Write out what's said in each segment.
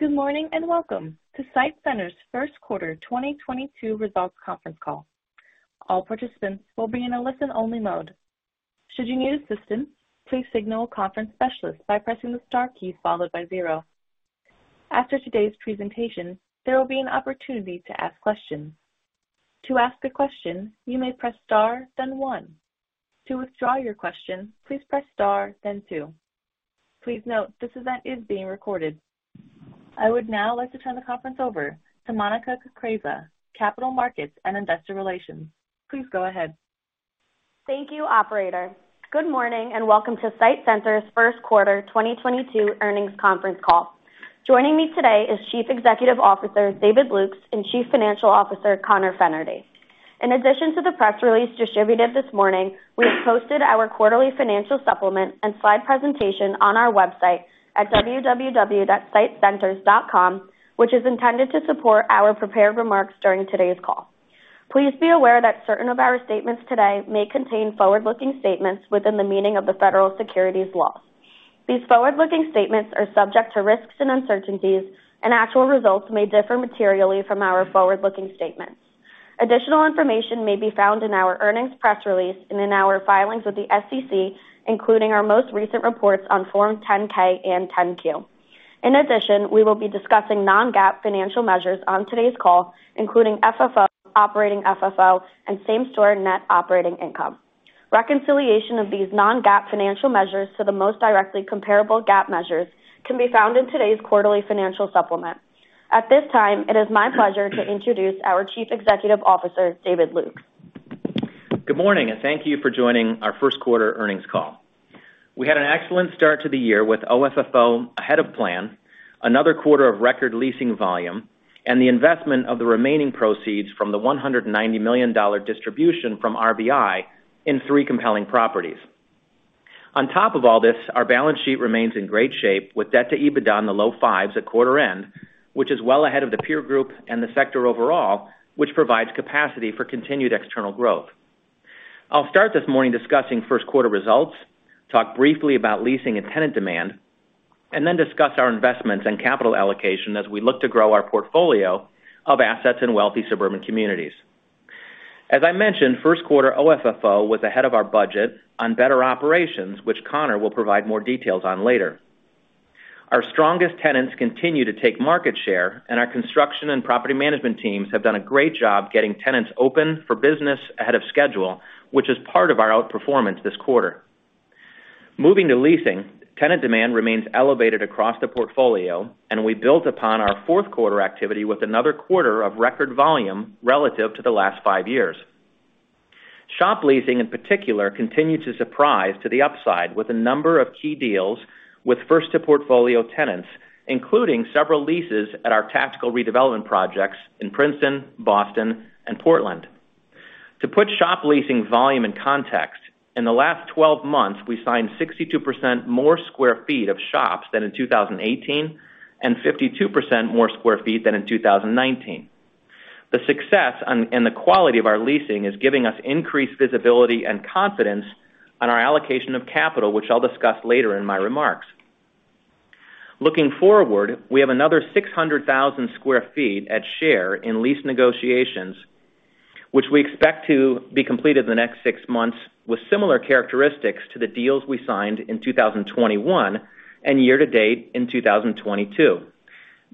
Good morning, and welcome to SITE Centers first quarter 2022 results conference call. All participants will be in a listen-only mode. Should you need assistance, please signal a conference specialist by pressing the star key followed by zero. After today's presentation, there will be an opportunity to ask questions. To ask a question, you may press star, then one. To withdraw your question, please press star, then two. Please note this event is being recorded. I would now like to turn the conference over to Monica Kukreja, Capital Markets & Investor Relations. Please go ahead. Thank you, operator. Good morning, and welcome to SITE Centers first quarter 2022 earnings conference call. Joining me today is Chief Executive Officer David Lukes and Chief Financial Officer Conor Fennerty. In addition to the press release distributed this morning, we have posted our quarterly financial supplement and slide presentation on our website at www.sitecenters.com, which is intended to support our prepared remarks during today's call. Please be aware that certain of our statements today may contain forward-looking statements within the meaning of the federal securities law. These forward-looking statements are subject to risks and uncertainties, and actual results may differ materially from our forward-looking statements. Additional information may be found in our earnings press release and in our filings with the SEC, including our most recent reports on Form 10-K and 10-Q. In addition, we will be discussing non-GAAP financial measures on today's call, including FFO, operating FFO, and same-store net operating income. Reconciliation of these non-GAAP financial measures to the most directly comparable GAAP measures can be found in today's quarterly financial supplement. At this time, it is my pleasure to introduce our Chief Executive Officer, David Lukes. Good morning, and thank you for joining our first quarter earnings call. We had an excellent start to the year with OFFO ahead of plan, another quarter of record leasing volume, and the investment of the remaining proceeds from the $190 million distribution from RVI in three compelling properties. On top of all this, our balance sheet remains in great shape, with debt-to-EBITDA on the low fives at quarter end, which is well ahead of the peer group and the sector overall, which provides capacity for continued external growth. I'll start this morning discussing first quarter results, talk briefly about leasing and tenant demand, and then discuss our investments and capital allocation as we look to grow our portfolio of assets in wealthy suburban communities. As I mentioned, first quarter OFFO was ahead of our budget on better operations, which Conor will provide more details on later. Our strongest tenants continue to take market share, and our construction and property management teams have done a great job getting tenants open for business ahead of schedule, which is part of our outperformance this quarter. Moving to leasing, tenant demand remains elevated across the portfolio, and we built upon our fourth quarter activity with another quarter of record volume relative to the last five years. Shop leasing in particular continued to surprise to the upside with a number of key deals with first-to-portfolio tenants, including several leases at our tactical redevelopment projects in Princeton, Boston, and Portland. To put shop leasing volume in context, in the last 12 months, we signed 62% more sq ft of shops than in 2018, and 52% more sq ft than in 2019. The success and the quality of our leasing is giving us increased visibility and confidence on our allocation of capital, which I'll discuss later in my remarks. Looking forward, we have another 600,000 sq ft at share in lease negotiations, which we expect to be completed in the next six months with similar characteristics to the deals we signed in 2021 and year-to-date in 2022,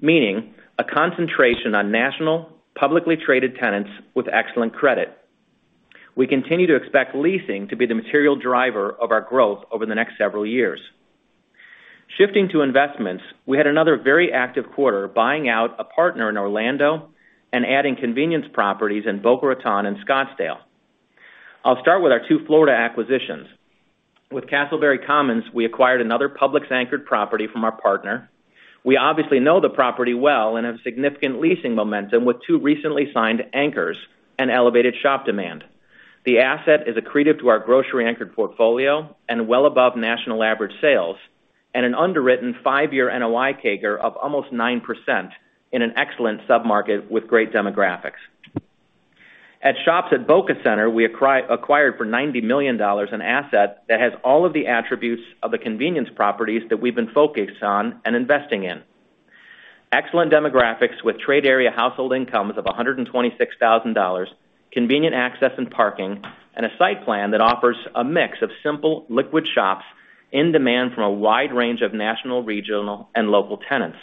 meaning a concentration on national publicly traded tenants with excellent credit. We continue to expect leasing to be the material driver of our growth over the next several years. Shifting to investments, we had another very active quarter buying out a partner in Orlando and adding convenience properties in Boca Raton and Scottsdale. I'll start with our two Florida acquisitions. With Casselberry Commons, we acquired another Publix-anchored property from our partner. We obviously know the property well and have significant leasing momentum with two recently signed anchors and elevated shop demand. The asset is accretive to our grocery-anchored portfolio and well above national average sales, and an underwritten five-year NOI CAGR of almost 9% in an excellent submarket with great demographics. At Shops at Boca Center, we acquired for $90 million an asset that has all of the attributes of the convenience properties that we've been focused on and investing in. Excellent demographics with trade area household incomes of $126,000, convenient access and parking, and a site plan that offers a mix of simple liquid shops in demand from a wide range of national, regional, and local tenants.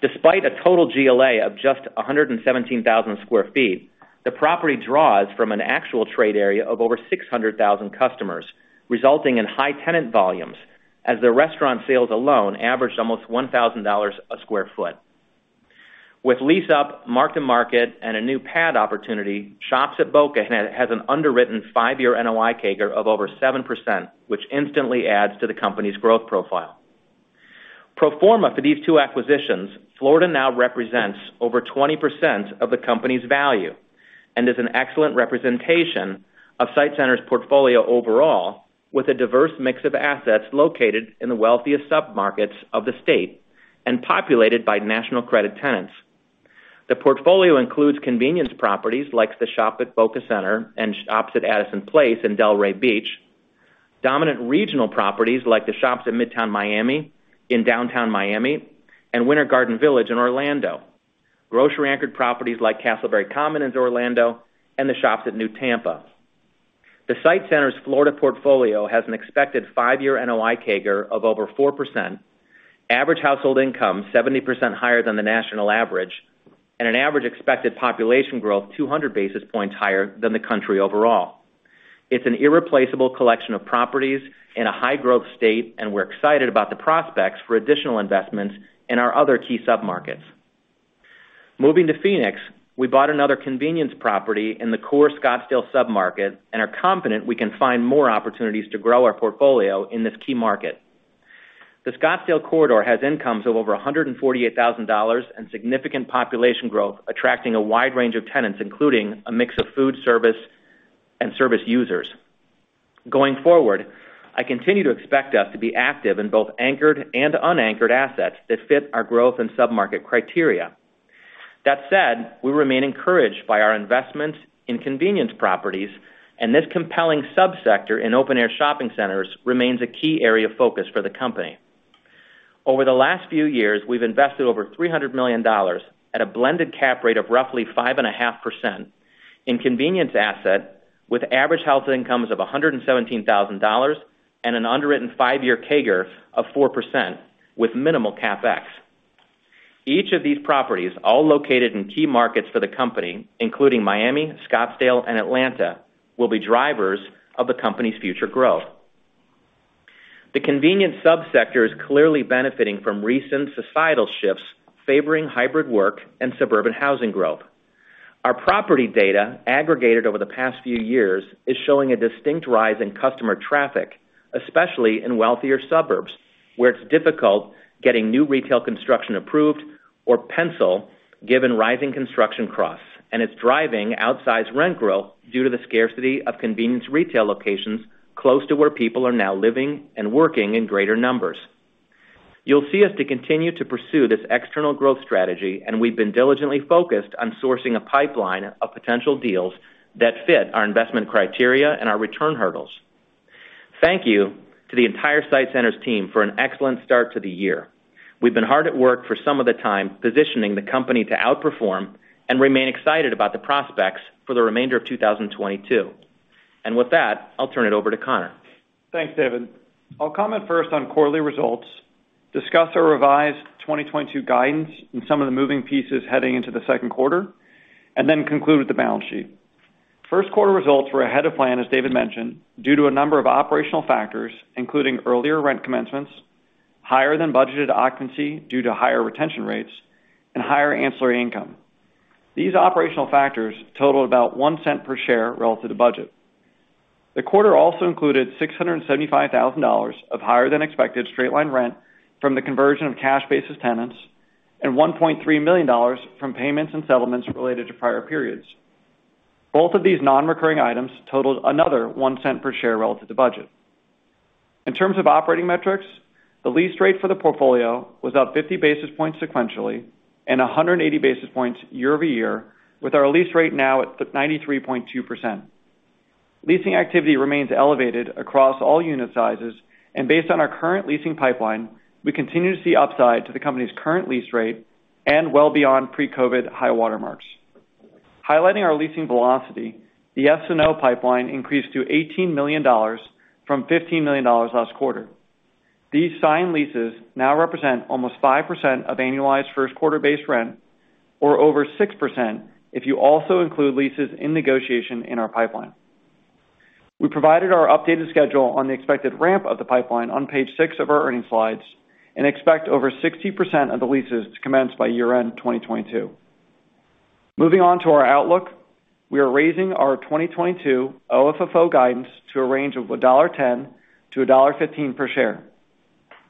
Despite a total GLA of just 117,000 sq ft, the property draws from an actual trade area of over 600,000 customers, resulting in high tenant volumes as their restaurant sales alone averaged almost $1,000 a sq ft. With lease-up, mark-to-market, and a new pad opportunity, Shops at Boca Center has an underwritten five-year NOI CAGR of over 7%, which instantly adds to the company's growth profile. Pro forma for these two acquisitions, Florida now represents over 20% of the company's value and is an excellent representation of SITE Centers' portfolio overall, with a diverse mix of assets located in the wealthiest submarkets of the state and populated by national credit tenants. The portfolio includes convenience properties like the Shops at Boca Center and Shoppes at Addison Place in Delray Beach, dominant regional properties like The Shops at Midtown Miami in downtown Miami and Winter Garden Village in Orlando, grocery-anchored properties like Casselberry Commons in Orlando and The Shoppes at New Tampa. SITE Centers' Florida portfolio has an expected five-year NOI CAGR of over 4%, average household income 70% higher than the national average, and an average expected population growth 200 basis points higher than the country overall. It's an irreplaceable collection of properties in a high-growth state, and we're excited about the prospects for additional investments in our other key submarkets. Moving to Phoenix, we bought another convenience property in the core Scottsdale submarket and are confident we can find more opportunities to grow our portfolio in this key market. The Scottsdale corridor has incomes of over $148,000 and significant population growth, attracting a wide range of tenants, including a mix of food service and service users. Going forward, I continue to expect us to be active in both anchored and unanchored assets that fit our growth and submarket criteria. That said, we remain encouraged by our investment in convenience properties, and this compelling subsector in open-air shopping centers remains a key area of focus for the company. Over the last few years, we've invested over $300 million at a blended cap rate of roughly 5.5% in convenience assets, with average household incomes of $117,000 and an underwritten five-year CAGR of 4% with minimal CapEx. Each of these properties, all located in key markets for the company, including Miami, Scottsdale, and Atlanta, will be drivers of the company's future growth. The convenience subsector is clearly benefiting from recent societal shifts favoring hybrid work and suburban housing growth. Our property data, aggregated over the past few years, is showing a distinct rise in customer traffic, especially in wealthier suburbs, where it's difficult getting new retail construction approved or pencil out given rising construction costs. It's driving outsized rent growth due to the scarcity of convenience retail locations close to where people are now living and working in greater numbers. You'll see us to continue to pursue this external growth strategy, and we've been diligently focused on sourcing a pipeline of potential deals that fit our investment criteria and our return hurdles. Thank you to the entire SITE Centers team for an excellent start to the year. We've been hard at work for some of the time positioning the company to outperform and remain excited about the prospects for the remainder of 2022. With that, I'll turn it over to Conor. Thanks, David. I'll comment first on quarterly results, discuss our revised 2022 guidance and some of the moving pieces heading into the second quarter, and then conclude with the balance sheet. First quarter results were ahead of plan, as David mentioned, due to a number of operational factors, including earlier rent commencements, higher than budgeted occupancy due to higher retention rates, and higher ancillary income. These operational factors totaled about $0.01 per share relative to budget. The quarter also included $675,000 of higher-than-expected straight-line rent from the conversion of cash basis tenants and $1.3 million from payments and settlements related to prior periods. Both of these non-recurring items totaled another $0.01 per share relative to budget. In terms of operating metrics, the lease rate for the portfolio was up 50 basis points sequentially and 180 basis points year-over-year, with our lease rate now at 93.2%. Leasing activity remains elevated across all unit sizes. Based on our current leasing pipeline, we continue to see upside to the company's current lease rate and well beyond pre-COVID high water marks. Highlighting our leasing velocity, the SNO pipeline increased to $18 million from $15 million last quarter. These signed leases now represent almost 5% of annualized first quarter base rent, or over 6% if you also include leases in negotiation in our pipeline. We provided our updated schedule on the expected ramp of the pipeline on page six of our earnings slides and expect over 60% of the leases to commence by year-end 2022. Moving on to our outlook, we are raising our 2022 OFFO guidance to a range of $1.10-$1.15 per share.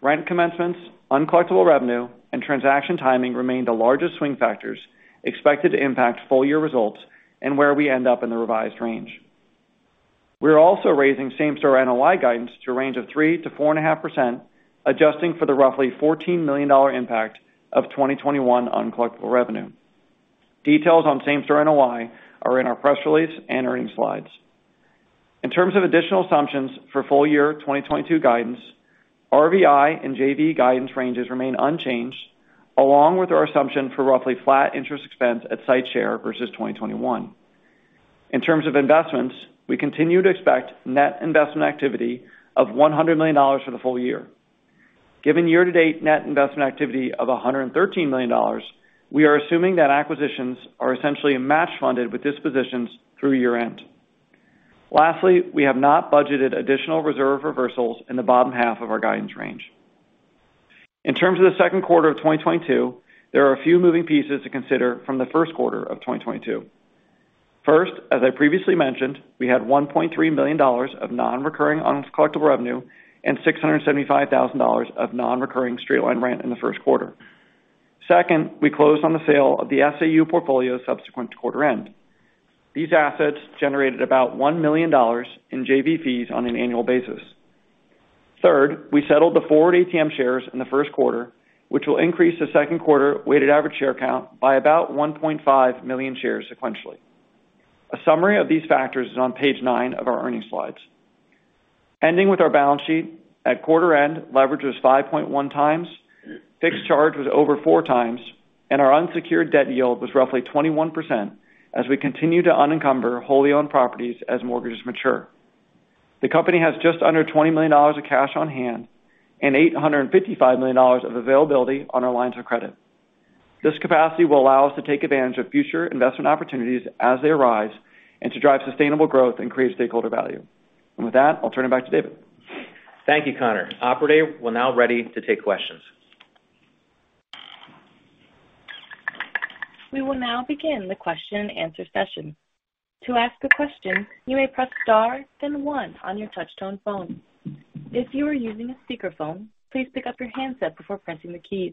Rent commencements, uncollectible revenue, and transaction timing remain the largest swing factors expected to impact full-year results and where we end up in the revised range. We are also raising same-store NOI guidance to a range of 3%-4.5%, adjusting for the roughly $14 million impact of 2021 uncollectible revenue. Details on same-store NOI are in our press release and earnings slides. In terms of additional assumptions for full-year 2022 guidance, RVI and JV guidance ranges remain unchanged, along with our assumption for roughly flat interest expense at SITE share versus 2021. In terms of investments, we continue to expect net investment activity of $100 million for the full year. Given year-to-date net investment activity of $113 million, we are assuming that acquisitions are essentially match funded with dispositions through year-end. Lastly, we have not budgeted additional reserve reversals in the bottom half of our guidance range. In terms of the second quarter of 2022, there are a few moving pieces to consider from the first quarter of 2022. First, as I previously mentioned, we had $1.3 million of non-recurring uncollectible revenue and $675,000 of non-recurring straight-line rent in the first quarter. Second, we closed on the sale of the SAU portfolio subsequent to quarter end. These assets generated about $1 million in JV fees on an annual basis. Third, we settled the forward ATM shares in the first quarter, which will increase the second quarter weighted average share count by about 1.5 million shares sequentially. A summary of these factors is on page nine of our earnings slides. Ending with our balance sheet. At quarter end, leverage was 5.1x. Fixed charge was over 4x, and our unsecured debt yield was roughly 21% as we continue to unencumber wholly-owned properties as mortgages mature. The company has just under $20 million of cash on hand and $855 million of availability on our lines of credit. This capacity will allow us to take advantage of future investment opportunities as they arise and to drive sustainable growth and create stakeholder value. With that, I'll turn it back to David. Thank you, Conor. Operator, we're now ready to take questions. We will now begin the question-and-answer session. To ask a question, you may press star then one on your touchtone phone. If you are using a speakerphone, please pick up your handset before pressing the keys.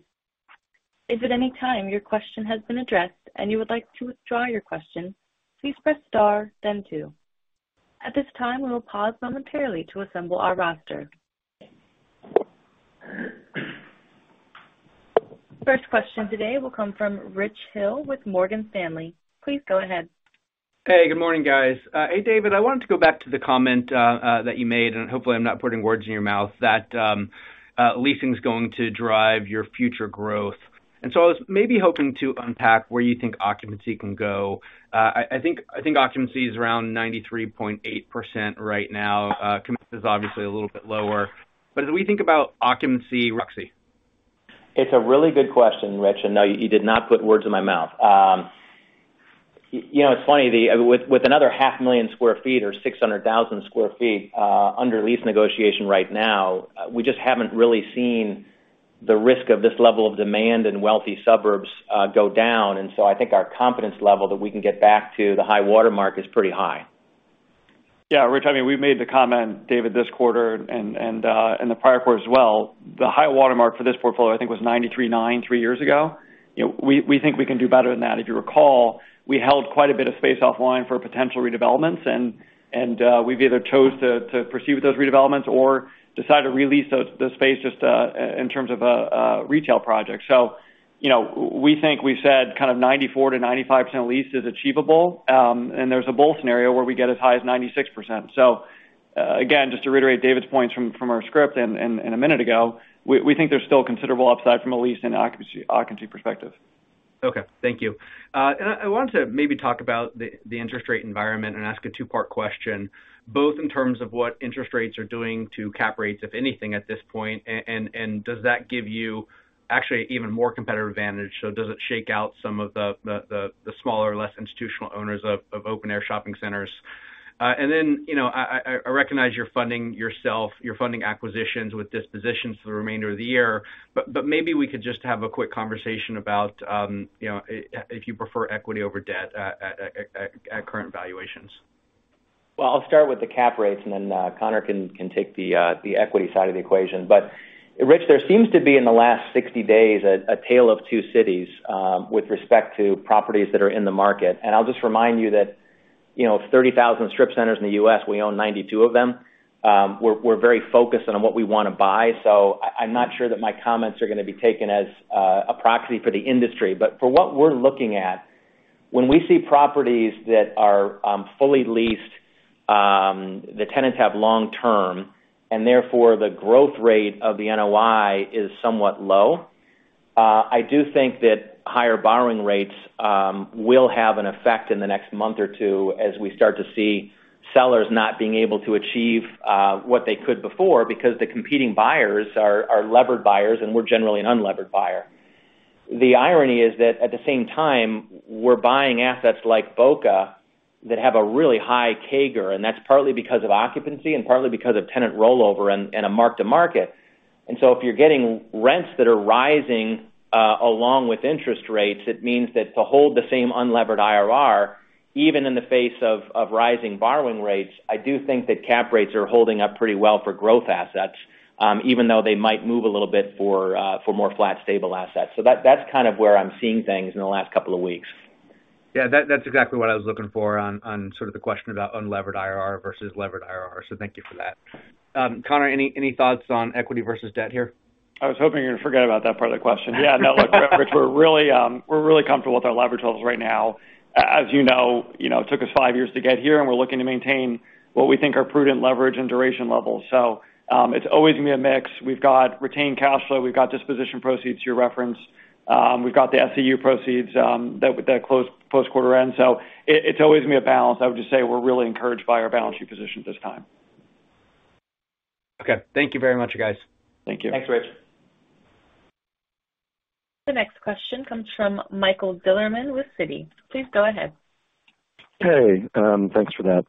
If at any time your question has been addressed and you would like to withdraw your question, please press star then two. At this time, we will pause momentarily to assemble our roster. First question today will come from Rich Hill with Morgan Stanley. Please go ahead. Hey, good morning, guys. Hey, David, I wanted to go back to the comment that you made, and hopefully I'm not putting words in your mouth that leasing is going to drive your future growth. I was maybe hoping to unpack where you think occupancy can go. I think occupancy is around 93.8% right now. Committed is obviously a little bit lower. As we think about occupancy proxy. It's a really good question, Rich. No, you did not put words in my mouth. You know, it's funny, with another 500,000 sq ft or 600,000 sq ft under lease negotiation right now, we just haven't really seen the risk of this level of demand in wealthy suburbs go down. I think our confidence level that we can get back to the high-water mark is pretty high. Yeah. Rich, I mean, we made the comment, David, this quarter and the prior quarter as well. The high-water mark for this portfolio, I think, was 93.9% three years ago. You know, we think we can do better than that. If you recall, we held quite a bit of space offline for potential redevelopments and we've either chose to pursue those redevelopments or decide to re-lease the space just in terms of a retail project. You know, we think we said kind of 94%-95% lease is achievable. And there's a bull scenario where we get as high as 96%. Again, just to reiterate David's points from our script and a minute ago, we think there's still considerable upside from a lease and occupancy perspective. Okay. Thank you. I wanted to maybe talk about the interest rate environment and ask a two-part question, both in terms of what interest rates are doing to cap rates, if anything, at this point. Does that give you actually even more competitive advantage? Does it shake out some of the smaller, less institutional owners of open-air shopping centers? You know, I recognize you're funding yourself, you're funding acquisitions with dispositions for the remainder of the year. Maybe we could just have a quick conversation about, you know, if you prefer equity over debt at current valuations. Well, I'll start with the cap rates, and then Conor can take the equity side of the equation. Rich, there seems to be, in the last 60 days, a tale of two cities, with respect to properties that are in the market. I'll just remind you that, you know, of 30,000 strip centers in the U.S., we own 92 of them. We're very focused on what we wanna buy, so I'm not sure that my comments are gonna be taken as a proxy for the industry. For what we're looking at, when we see properties that are fully leased, the tenants have long term, and therefore the growth rate of the NOI is somewhat low. I do think that higher borrowing rates will have an effect in the next month or two as we start to see sellers not being able to achieve what they could before because the competing buyers are levered buyers, and we're generally an unlevered buyer. The irony is that at the same time, we're buying assets like Boca that have a really high CAGR, and that's partly because of occupancy and partly because of tenant rollover and a mark-to-market. If you're getting rents that are rising along with interest rates, it means that to hold the same unlevered IRR, even in the face of rising borrowing rates, I do think that cap rates are holding up pretty well for growth assets, even though they might move a little bit for more flat, stable assets. That's kind of where I'm seeing things in the last couple of weeks. Yeah, that's exactly what I was looking for on sort of the question about unlevered IRR versus levered IRR. Thank you for that. Conor, any thoughts on equity versus debt here? I was hoping you're gonna forget about that part of the question. Yeah, no, look. Rich, we're really comfortable with our leverage levels right now. As you know, it took us five years to get here, and we're looking to maintain what we think are prudent leverage and duration levels. It's always gonna be a mix. We've got retained cash flow, we've got disposition proceeds as you referenced. We've got the SAU proceeds that close post quarter end. It's always gonna be a balance. I would just say we're really encouraged by our balance sheet position at this time. Okay. Thank you very much, guys. Thank you. Thanks, Rich. The next question comes from Michael Bilerman with Citi. Please go ahead. Hey, thanks for that.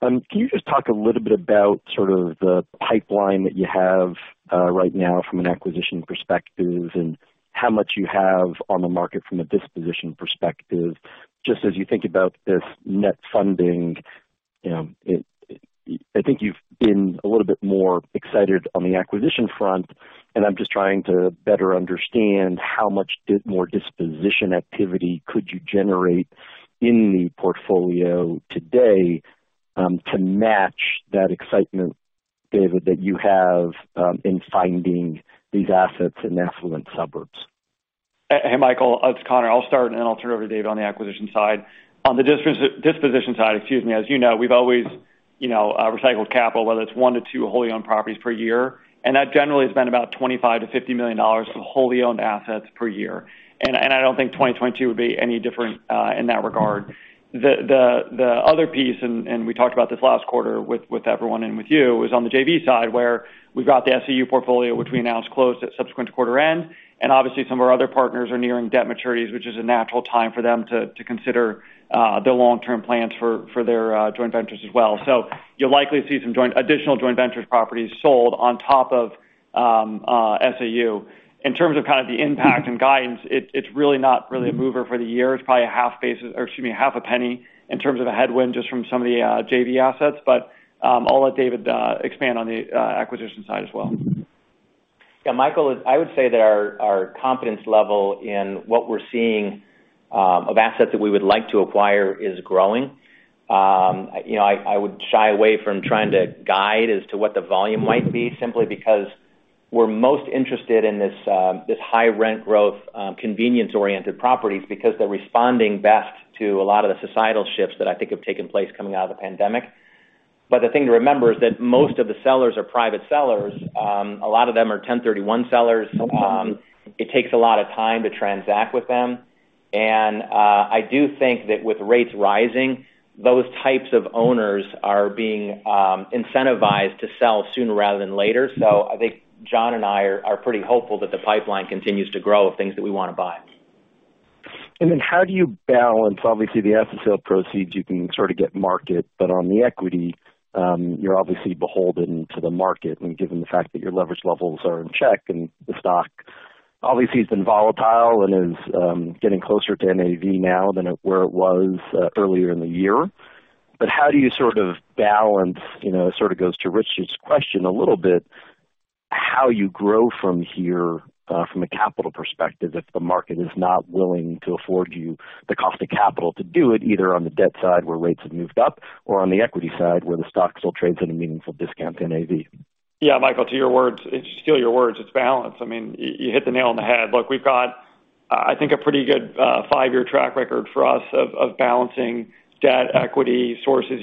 Can you just talk a little bit about sort of the pipeline that you have right now from an acquisition perspective and how much you have on the market from a disposition perspective, just as you think about this net funding? You know, I think you've been a little bit more excited on the acquisition front. I'm just trying to better understand how much more disposition activity could you generate in the portfolio today to match that excitement, David, that you have in finding these assets in affluent suburbs. Hey, Michael, it's Conor. I'll start, and then I'll turn it over to David on the acquisition side. On the disposition side, excuse me, as you know, we've always, you know, recycled capital, whether it's one-two wholly-owned properties per year. That generally has been about $25 million-$50 million of wholly-owned assets per year. I don't think 2022 would be any different in that regard. The other piece, we talked about this last quarter with everyone and with you, is on the JV side where we've got the SAU portfolio, which we announced closing at subsequent quarter end. Obviously some of our other partners are nearing debt maturities, which is a natural time for them to consider their long-term plans for their joint ventures as well. You'll likely see some additional joint ventures properties sold on top of SAU. In terms of the impact and guidance, it's really not a mover for the year. It's probably half a basis, or excuse me, half a penny in terms of a headwind just from some of the JV assets. I'll let David expand on the acquisition side as well. Yeah. Michael, I would say that our confidence level in what we're seeing of assets that we would like to acquire is growing. You know, I would shy away from trying to guide as to what the volume might be, simply because we're most interested in this high rent growth convenience-oriented properties because they're responding best to a lot of the societal shifts that I think have taken place coming out of the pandemic. But the thing to remember is that most of the sellers are private sellers. A lot of them are 1031 sellers. It takes a lot of time to transact with them. I do think that with rates rising, those types of owners are being incentivized to sell sooner rather than later. I think John and I are pretty hopeful that the pipeline continues to grow of things that we wanna buy. How do you balance, obviously the asset sale proceeds, you can sort of get market, but on the equity, you're obviously beholden to the market. Given the fact that your leverage levels are in check and the stock obviously has been volatile and is getting closer to NAV now than it was earlier in the year. How do you sort of balance, it sort of goes to Rich's question a little bit, how you grow from here, from a capital perspective, if the market is not willing to afford you the cost of capital to do it, either on the debt side, where rates have moved up or on the equity side, where the stock still trades at a meaningful discount to NAV. Yeah. Michael, to your words, to steal your words, it's balance. I mean, you hit the nail on the head. Look, we've got, I think, a pretty good five-year track record for us of balancing debt equity sources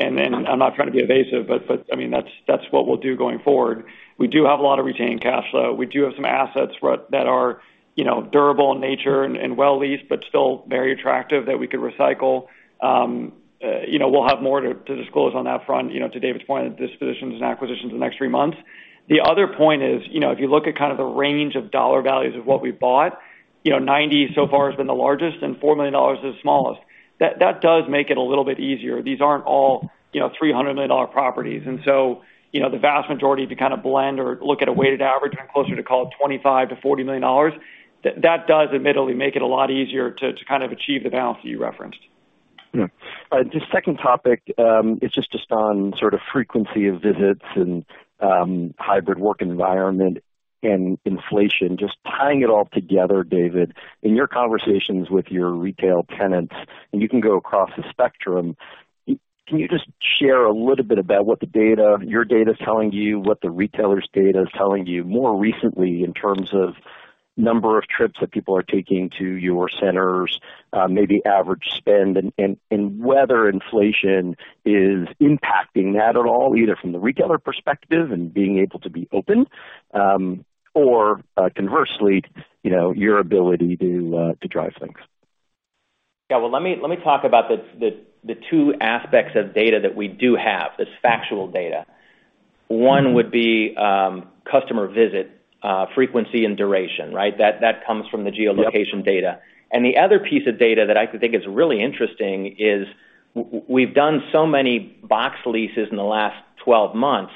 uses. I'm not trying to be evasive, but I mean, that's what we'll do going forward. We do have a lot of retained cash flow. We do have some assets that are, you know, durable in nature and well leased, but still very attractive that we could recycle. You know, we'll have more to disclose on that front, you know, to David's point of dispositions and acquisitions in the next three months. The other point is, you know, if you look at kind of the range of dollar values of what we bought, you know, 90 so far has been the largest and $4 million is the smallest. That does make it a little bit easier. These aren't all, you know, $300 million dollar properties. You know, the vast majority to kind of blend or look at a weighted average are closer to call it $25 million-$40 million. That does admittedly make it a lot easier to kind of achieve the balance that you referenced. Yeah. The second topic is just on sort of frequency of visits and hybrid work environment and inflation. Just tying it all together, David, in your conversations with your retail tenants, and you can go across the spectrum, you can just share a little bit about what the data, your data is telling you, what the retailer's data is telling you more recently in terms of number of trips that people are taking to your centers, maybe average spend and whether inflation is impacting that at all, either from the retailer perspective and being able to be open, or conversely, you know, your ability to drive things. Yeah. Well, let me talk about the two aspects of data that we do have, this factual data. One would be customer visit frequency and duration, right? That comes from the geolocation data. The other piece of data that I think is really interesting is we've done so many box leases in the last 12 months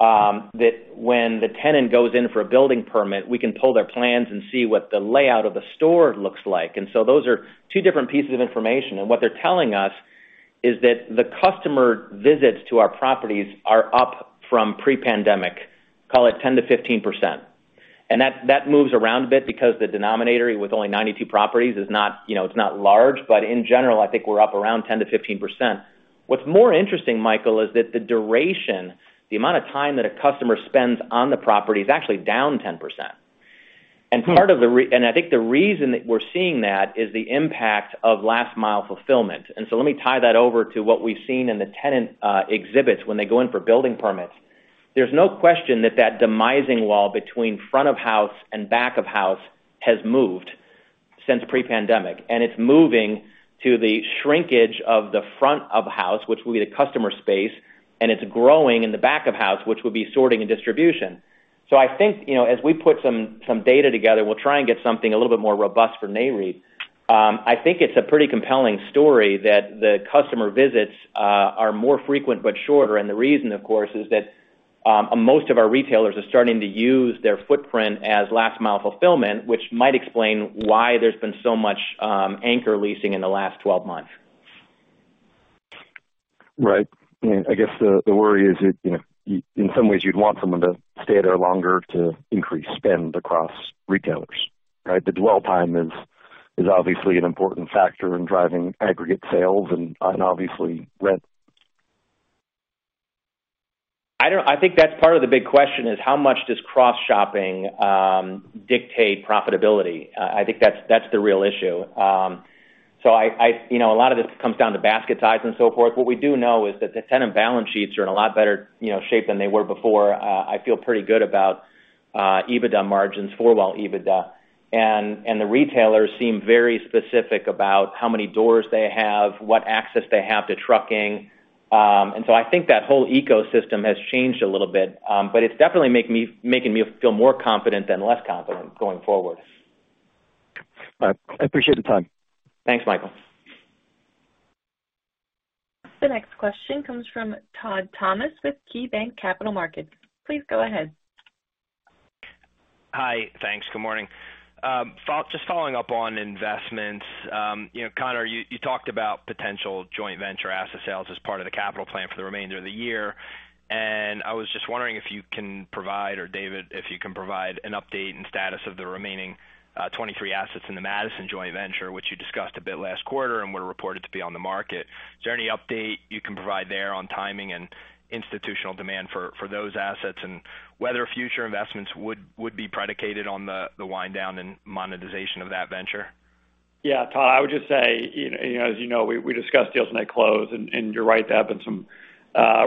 that when the tenant goes in for a building permit, we can pull their plans and see what the layout of the store looks like. So those are two different pieces of information. What they're telling us is that the customer visits to our properties are up from pre-pandemic, call it 10%-15%. That moves around a bit because the denominator with only 92 properties is not, you know, it's not large. In general, I think we're up around 10%-15%. What's more interesting, Michael, is that the duration, the amount of time that a customer spends on the property is actually down 10%. Part of the reason, and I think the reason that we're seeing that is the impact of last mile fulfillment. Let me tie that over to what we've seen in the tenant exhibits when they go in for building permits. There's no question that that demising wall between front of house and back of house has moved since pre-pandemic, and it's moving to the shrinkage of the front of house, which will be the customer space, and it's growing in the back of house, which would be sorting and distribution. I think, you know, as we put some data together, we'll try and get something a little bit more robust for Nareit. I think it's a pretty compelling story that the customer visits are more frequent but shorter. The reason, of course, is that most of our retailers are starting to use their footprint as last mile fulfillment, which might explain why there's been so much anchor leasing in the last 12 months. Right. I guess the worry is that, you know, in some ways you'd want someone to stay there longer to increase spend across retailers, right? The dwell time is obviously an important factor in driving aggregate sales and obviously rent. I think that's part of the big question: how much does cross shopping dictate profitability? I think that's the real issue. You know, a lot of this comes down to basket size and so forth. What we do know is that the tenant balance sheets are in a lot better shape than they were before. I feel pretty good about EBITDA margins for a while, EBITDA. The retailers seem very specific about how many doors they have, what access they have to trucking. I think that whole ecosystem has changed a little bit. It's definitely making me feel more confident than less confident going forward. All right. I appreciate the time. Thanks, Michael. The next question comes from Todd Thomas with KeyBanc Capital Markets. Please go ahead. Hi. Thanks. Good morning. Just following up on investments. You know, Conor, you talked about potential joint venture asset sales as part of the capital plan for the remainder of the year. I was just wondering if you can provide, or David, if you can provide an update and status of the remaining 23 assets in the Madison joint venture, which you discussed a bit last quarter and were reported to be on the market. Is there any update you can provide there on timing and institutional demand for those assets and whether future investments would be predicated on the wind down and monetization of that venture? Yeah. Todd, I would just say, you know, as you know, we discussed deals when they close. You're right, there have been some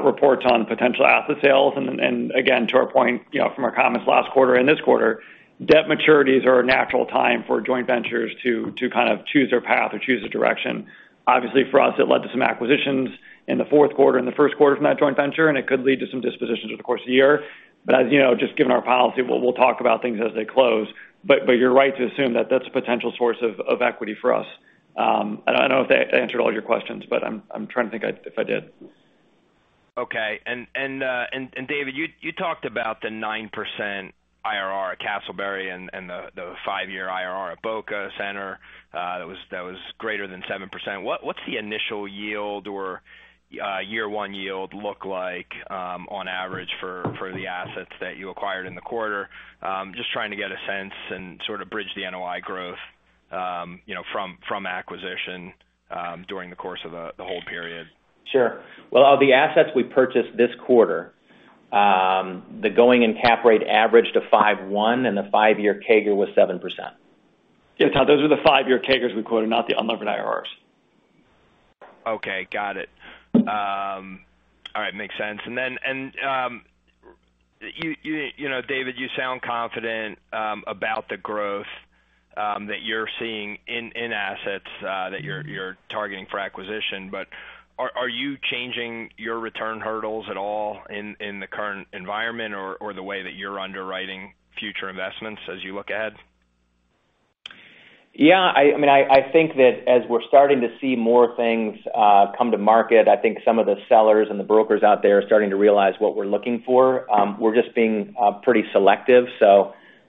reports on potential asset sales. Again, to our point, you know, from our comments last quarter and this quarter, debt maturities are a natural time for joint ventures to kind of choose their path or choose a direction. Obviously, for us, it led to some acquisitions in the fourth quarter and the first quarter from that joint venture, and it could lead to some dispositions over the course of the year. As you know, just given our policy, we'll talk about things as they close. You're right to assume that that's a potential source of equity for us. I don't know if that answered all your questions, but I'm trying to think if I did. Okay. David, you talked about the 9% IRR at Casselberry and the five-year IRR at Boca Center that was greater than 7%. What's the initial yield or year one yield look like on average for the assets that you acquired in the quarter? Just trying to get a sense and sort of bridge the NOI growth, you know, from acquisition during the course of the whole period. Sure. Well, of the assets we purchased this quarter, the going-in cap rate averaged 5.1%, and the five-year CAGR was 7%. Yeah, Todd, those were the five-year CAGRs we quoted, not the unlevered IRRs. Okay. Got it. All right. Makes sense. You know, David, you sound confident about the growth that you're seeing in assets that you're targeting for acquisition. Are you changing your return hurdles at all in the current environment or the way that you're underwriting future investments as you look ahead? Yeah, I mean, I think that as we're starting to see more things come to market, I think some of the sellers and the brokers out there are starting to realize what we're looking for. We're just being pretty selective.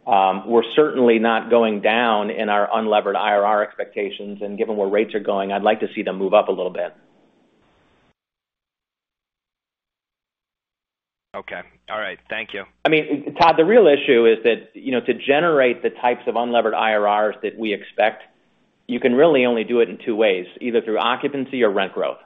We're certainly not going down in our unlevered IRR expectations. Given where rates are going, I'd like to see them move up a little bit. Okay. All right. Thank you. I mean, Todd, the real issue is that, you know, to generate the types of unlevered IRRs that we expect, you can really only do it in two ways, either through occupancy or rent growth.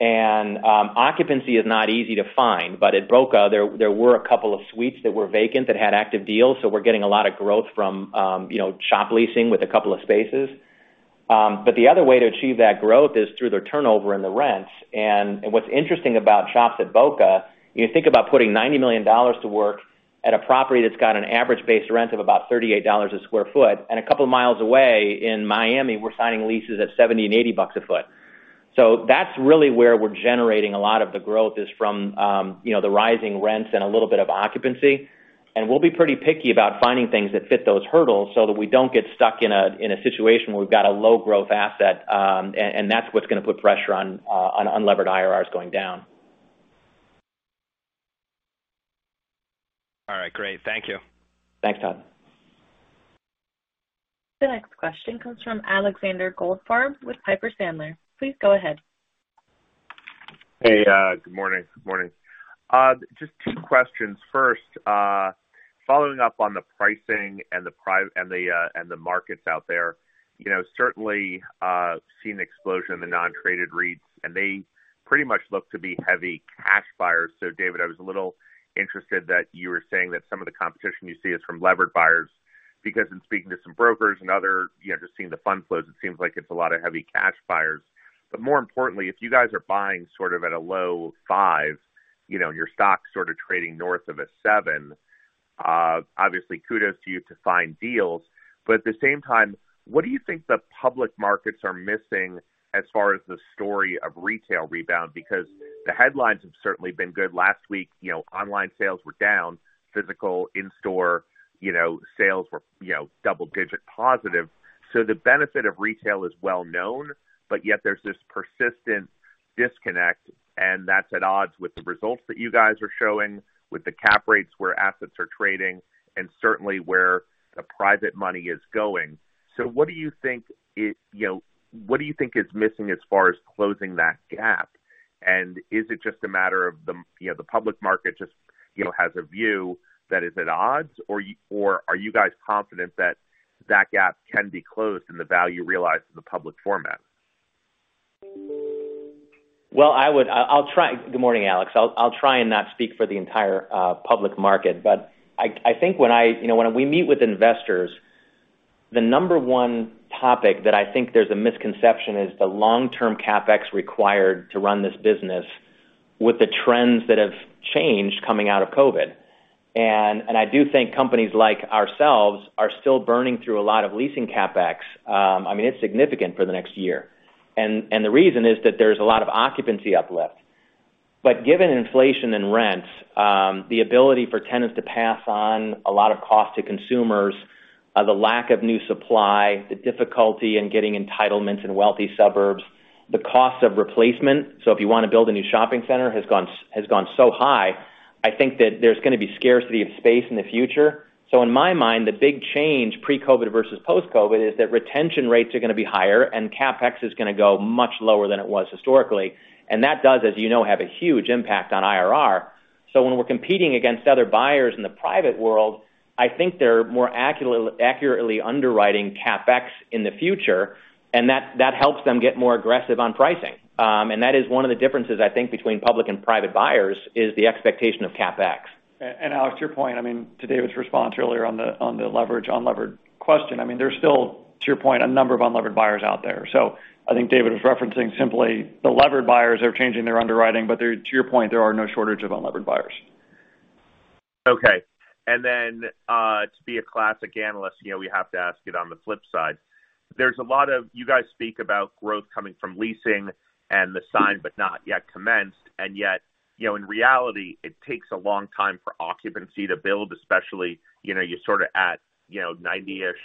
Occupancy is not easy to find, but at Boca, there were a couple of suites that were vacant that had active deals, so we're getting a lot of growth from, you know, shop leasing with a couple of spaces. The other way to achieve that growth is through the turnover in the rents. What's interesting about shops at Boca, you think about putting $90 million to work at a property that's got an average base rent of about $38 sq ft, and a couple of miles away in Miami, we're signing leases at $70 and $80 a foot. That's really where we're generating a lot of the growth from, you know, the rising rents and a little bit of occupancy. We'll be pretty picky about finding things that fit those hurdles so that we don't get stuck in a situation where we've got a low growth asset. That's what's gonna put pressure on unlevered IRRs going down. All right. Great. Thank you. Thanks, Todd. The next question comes from Alexander Goldfarb with Piper Sandler. Please go ahead. Good morning. Good morning. Just two questions. First, following up on the pricing and the markets out there. You know, certainly seen an explosion in the non-traded REITs, and they pretty much look to be heavy cash buyers. David, I was a little interested that you were saying that some of the competition you see is from levered buyers, because in speaking to some brokers and other, you know, just seeing the fund flows, it seems like it's a lot of heavy cash buyers. More importantly, if you guys are buying sort of at a low-5, you know, and your stock sort of trading north of a 7%, obviously kudos to you to find deals. At the same time, what do you think the public markets are missing as far as the story of retail rebound? Because the headlines have certainly been good. Last week, you know, online sales were down. Physical in-store, you know, sales were, you know, double digit positive. The benefit of retail is well known, but yet there's this persistent disconnect, and that's at odds with the results that you guys are showing with the cap rates where assets are trading and certainly where the private money is going. What do you think is missing as far as closing that gap? Is it just a matter of the, you know, the public market just, you know, has a view that is at odds, or are you guys confident that that gap can be closed and the value realized in the public format? Good morning, Alex. I'll try and not speak for the entire public market. I think when you know, when we meet with investors, the number one topic that I think there's a misconception is the long-term CapEx required to run this business with the trends that have changed coming out of COVID. I do think companies like ourselves are still burning through a lot of leasing CapEx. I mean, it's significant for the next year. The reason is that there's a lot of occupancy uplift. Given inflation and rents, the ability for tenants to pass on a lot of cost to consumers, the lack of new supply, the difficulty in getting entitlements in wealthy suburbs, the cost of replacement. If you wanna build a new shopping center, the cost has gone so high. I think that there's gonna be scarcity of space in the future. In my mind, the big change pre-COVID versus post-COVID is that retention rates are gonna be higher, and CapEx is gonna go much lower than it was historically. That does, as you know, have a huge impact on IRR. When we're competing against other buyers in the private world, I think they're more accurately underwriting CapEx in the future, and that helps them get more aggressive on pricing. That is one of the differences, I think, between public and private buyers, the expectation of CapEx. Alex, to your point, I mean, to David's response earlier on the levered-unlevered question, I mean, there's still, to your point, a number of unlevered buyers out there. So I think David is referencing simply the levered buyers are changing their underwriting. There, to your point, there are no shortage of unlevered buyers. Okay. To be a classic analyst, you know, we have to ask it on the flip side. You guys speak about growth coming from leasing and the signed, but not yet commenced. Yet, you know, in reality, it takes a long time for occupancy to build, especially, you know, you're sort of at, you know, 90-ish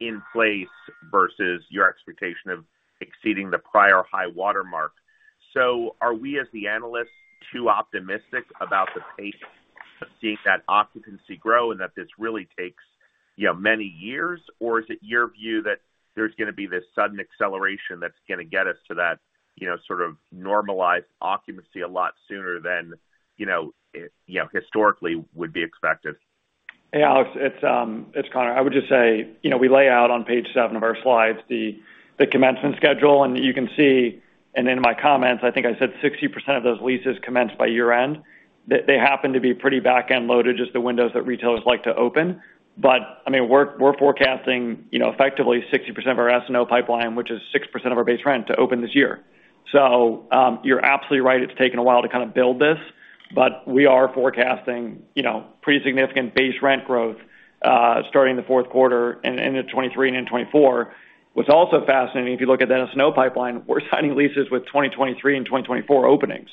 in place versus your expectation of exceeding the prior high watermark. Are we, as the analysts, too optimistic about the pace of seeing that occupancy grow and that this really takes, you know, many years? Or is it your view that there's gonna be this sudden acceleration that's gonna get us to that, you know, sort of normalized occupancy a lot sooner than, you know, you know, historically would be expected? Hey, Alex, it's Conor. I would just say, you know, we lay out on page seven of our slides the commencement schedule. You can see, and in my comments, I think I said 60% of those leases commence by year-end. They happen to be pretty back-end loaded, just the windows that retailers like to open. I mean, we're forecasting, you know, effectively 60% of our SNO pipeline, which is 6% of our base rent, to open this year. You're absolutely right, it's taken a while to kind of build this, but we are forecasting, you know, pretty significant base rent growth starting the fourth quarter and into 2023 and into 2024. What's also fascinating, if you look at that SNO pipeline, we're signing leases with 2023 and 2024 openings,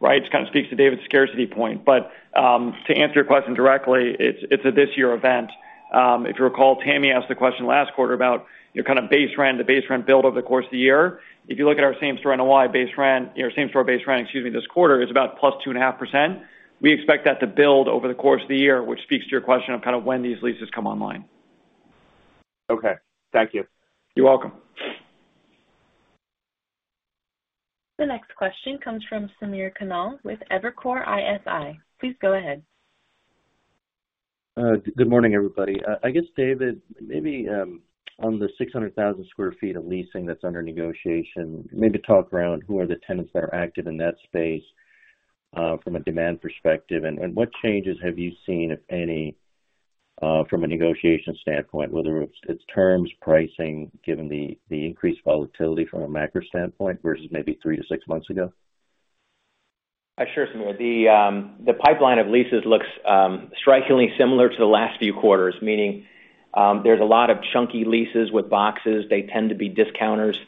right? Which kind of speaks to David's scarcity point. To answer your question directly, it's a this year event. If you recall, Tammi asked the question last quarter about your kind of base rent, the base rent build over the course of the year. If you look at our same store NOI base rent, or same store base rent, excuse me, this quarter, is about +2.5%. We expect that to build over the course of the year, which speaks to your question of kind of when these leases come online. Okay. Thank you. You're welcome. The next question comes from Samir Khanal with Evercore ISI. Please go ahead. Good morning, everybody. I guess, David, maybe, on the 600,000 sq ft of leasing that's under negotiation, maybe talk around who are the tenants that are active in that space, from a demand perspective. What changes have you seen, if any, from a negotiation standpoint, whether it's terms, pricing, given the increased volatility from a macro standpoint versus maybe three-six months ago? Sure, Samir. The pipeline of leases looks strikingly similar to the last few quarters. Meaning, there's a lot of chunky leases with boxes. They tend to be discounters.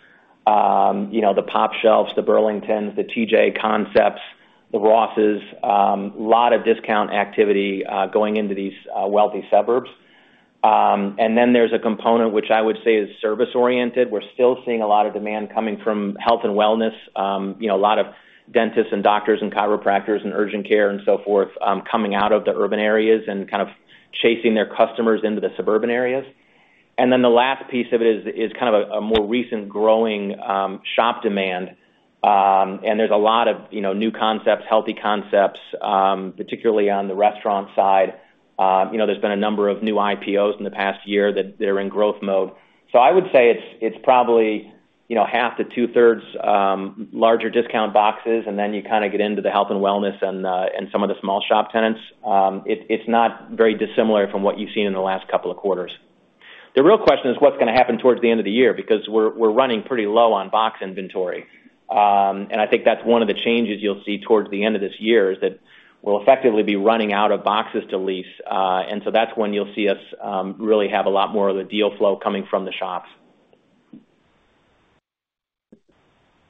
You know, the pOpshelf, the Burlington, the TJX concepts, the Ross. Lot of discount activity going into these wealthy suburbs. There's a component which I would say is service-oriented. We're still seeing a lot of demand coming from health and wellness. You know, a lot of dentists and doctors and chiropractors and urgent care and so forth, coming out of the urban areas and kind of chasing their customers into the suburban areas. The last piece of it is kind of a more recent growing shop demand. There's a lot of, you know, new concepts, healthy concepts, particularly on the restaurant side. You know, there's been a number of new IPOs in the past year that are in growth mode. I would say it's probably, you know, half to 2/3 larger discount boxes, and then you kind of get into the health and wellness and some of the small shop tenants. It's not very dissimilar from what you've seen in the last couple of quarters. The real question is what's gonna happen towards the end of the year because we're running pretty low on box inventory. I think that's one of the changes you'll see towards the end of this year, is that we'll effectively be running out of boxes to lease. That's when you'll see us really have a lot more of the deal flow coming from the shops.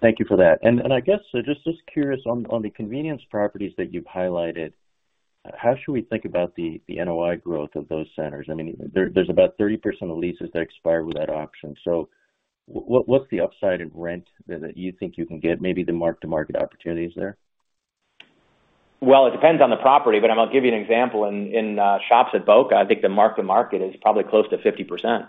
Thank you for that. I guess so just curious on the convenience properties that you've highlighted, how should we think about the NOI growth of those centers? I mean, there's about 30% of leases that expire with that option. What's the upside in rent that you think you can get, maybe the mark-to-market opportunities there? Well, it depends on the property, but I'm gonna give you an example. In Shops at Boca, I think the mark-to-market is probably close to 50%.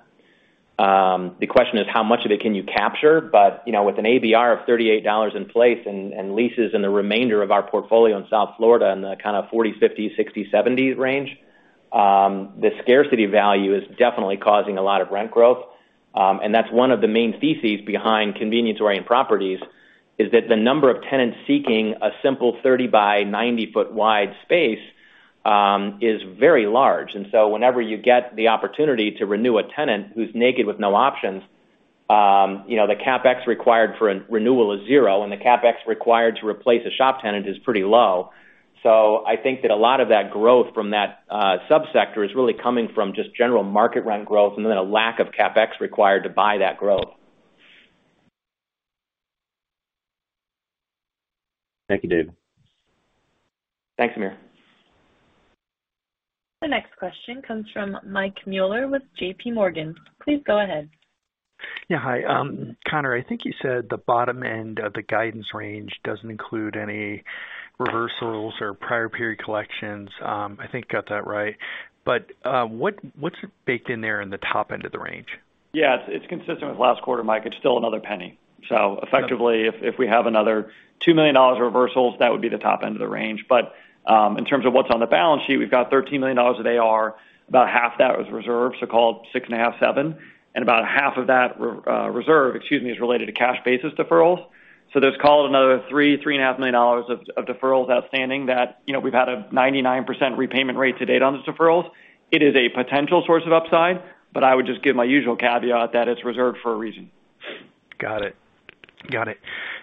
The question is how much of it can you capture? You know, with an ABR of $38 in place and leases in the remainder of our portfolio in South Florida in the kind of $40, $50, $60, $70 range, the scarcity value is definitely causing a lot of rent growth. That's one of the main theses behind convenience-oriented properties, is that the number of tenants seeking a simple 30 by 90 ft wide space is very large. Whenever you get the opportunity to renew a tenant who's naked with no options, you know, the CapEx required for a renewal is zero, and the CapEx required to replace a shop tenant is pretty low. I think that a lot of that growth from that subsector is really coming from just general market rent growth, and then a lack of CapEx required to buy that growth. Thank you, Dave. Thanks, Samir. The next question comes from Mike Mueller with JPMorgan. Please go ahead. Yeah. Hi, Connor. I think you said the bottom end of the guidance range doesn't include any reversals or prior period collections. I think I got that right. What's baked in there in the top end of the range? Yeah. It's consistent with last quarter, Mike. It's still another penny. Effectively, if we have another $2 million reversals, that would be the top end of the range. In terms of what's on the balance sheet, we've got $13 million of AR. About half that was reserved, so call it 6.57. About half of that reserve is related to cash basis deferrals. There's call it another $3.5 million of deferrals outstanding that, you know, we've had a 99% repayment rate to date on those deferrals. It is a potential source of upside, but I would just give my usual caveat that it's reserved for a reason. Got it.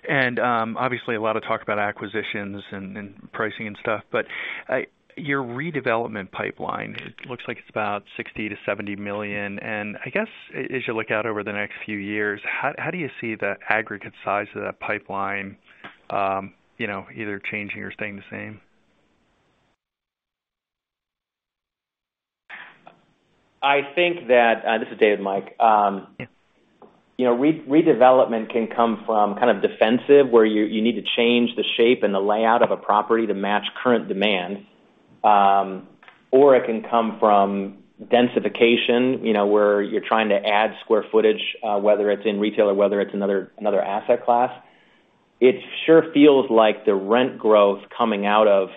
Obviously a lot of talk about acquisitions and pricing and stuff, but your redevelopment pipeline, it looks like it's about $60 million-$70 million. I guess as you look out over the next few years, how do you see the aggregate size of that pipeline, you know, either changing or staying the same? I think that -- this is David, Mike. You know, redevelopment can come from kind of defensive, where you need to change the shape and the layout of a property to match current demand, or it can come from densification, you know, where you're trying to add square footage, whether it's in retail or whether it's another asset class. It sure feels like the rent growth coming out of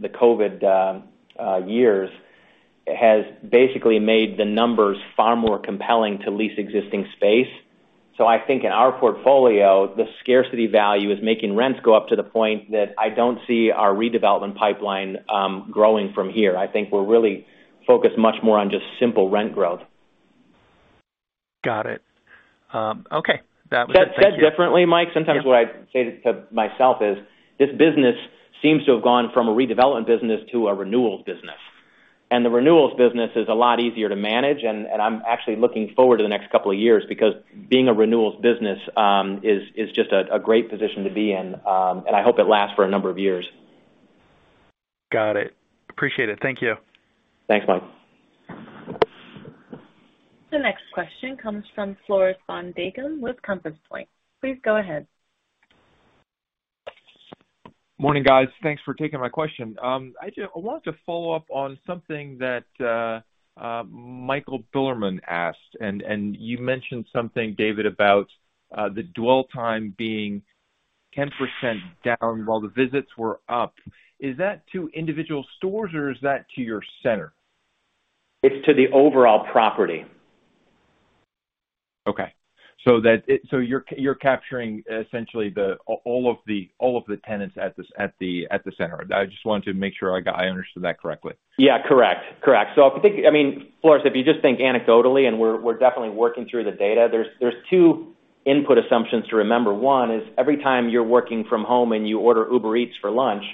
the COVID years has basically made the numbers far more compelling to lease existing space. I think in our portfolio, the scarcity value is making rents go up to the point that I don't see our redevelopment pipeline growing from here. I think we're really focused much more on just simple rent growth. Got it. Okay. That was it. Thank you. Said differently, Mike. Sometimes what I say to myself is this business seems to have gone from a redevelopment business to a renewals business, and the renewals business is a lot easier to manage, and I'm actually looking forward to the next couple of years because being a renewals business is just a great position to be in. I hope it lasts for a number of years. Got it. Appreciate it. Thank you. Thanks, Mike. The next question comes from Floris van Dijkum with Compass Point. Please go ahead. Morning, guys. Thanks for taking my question. I wanted to follow-up on something that Michael Bilerman asked. You mentioned something, David, about the dwell time being 10% down while the visits were up. Is that to individual stores, or is that to your center? It's to the overall property. You're capturing essentially all of the tenants at the center. I just wanted to make sure I understood that correctly. Correct. I mean, Floris, if you just think anecdotally, and we're definitely working through the data, there's two input assumptions to remember. One is every time you're working from home and you order Uber Eats for lunch,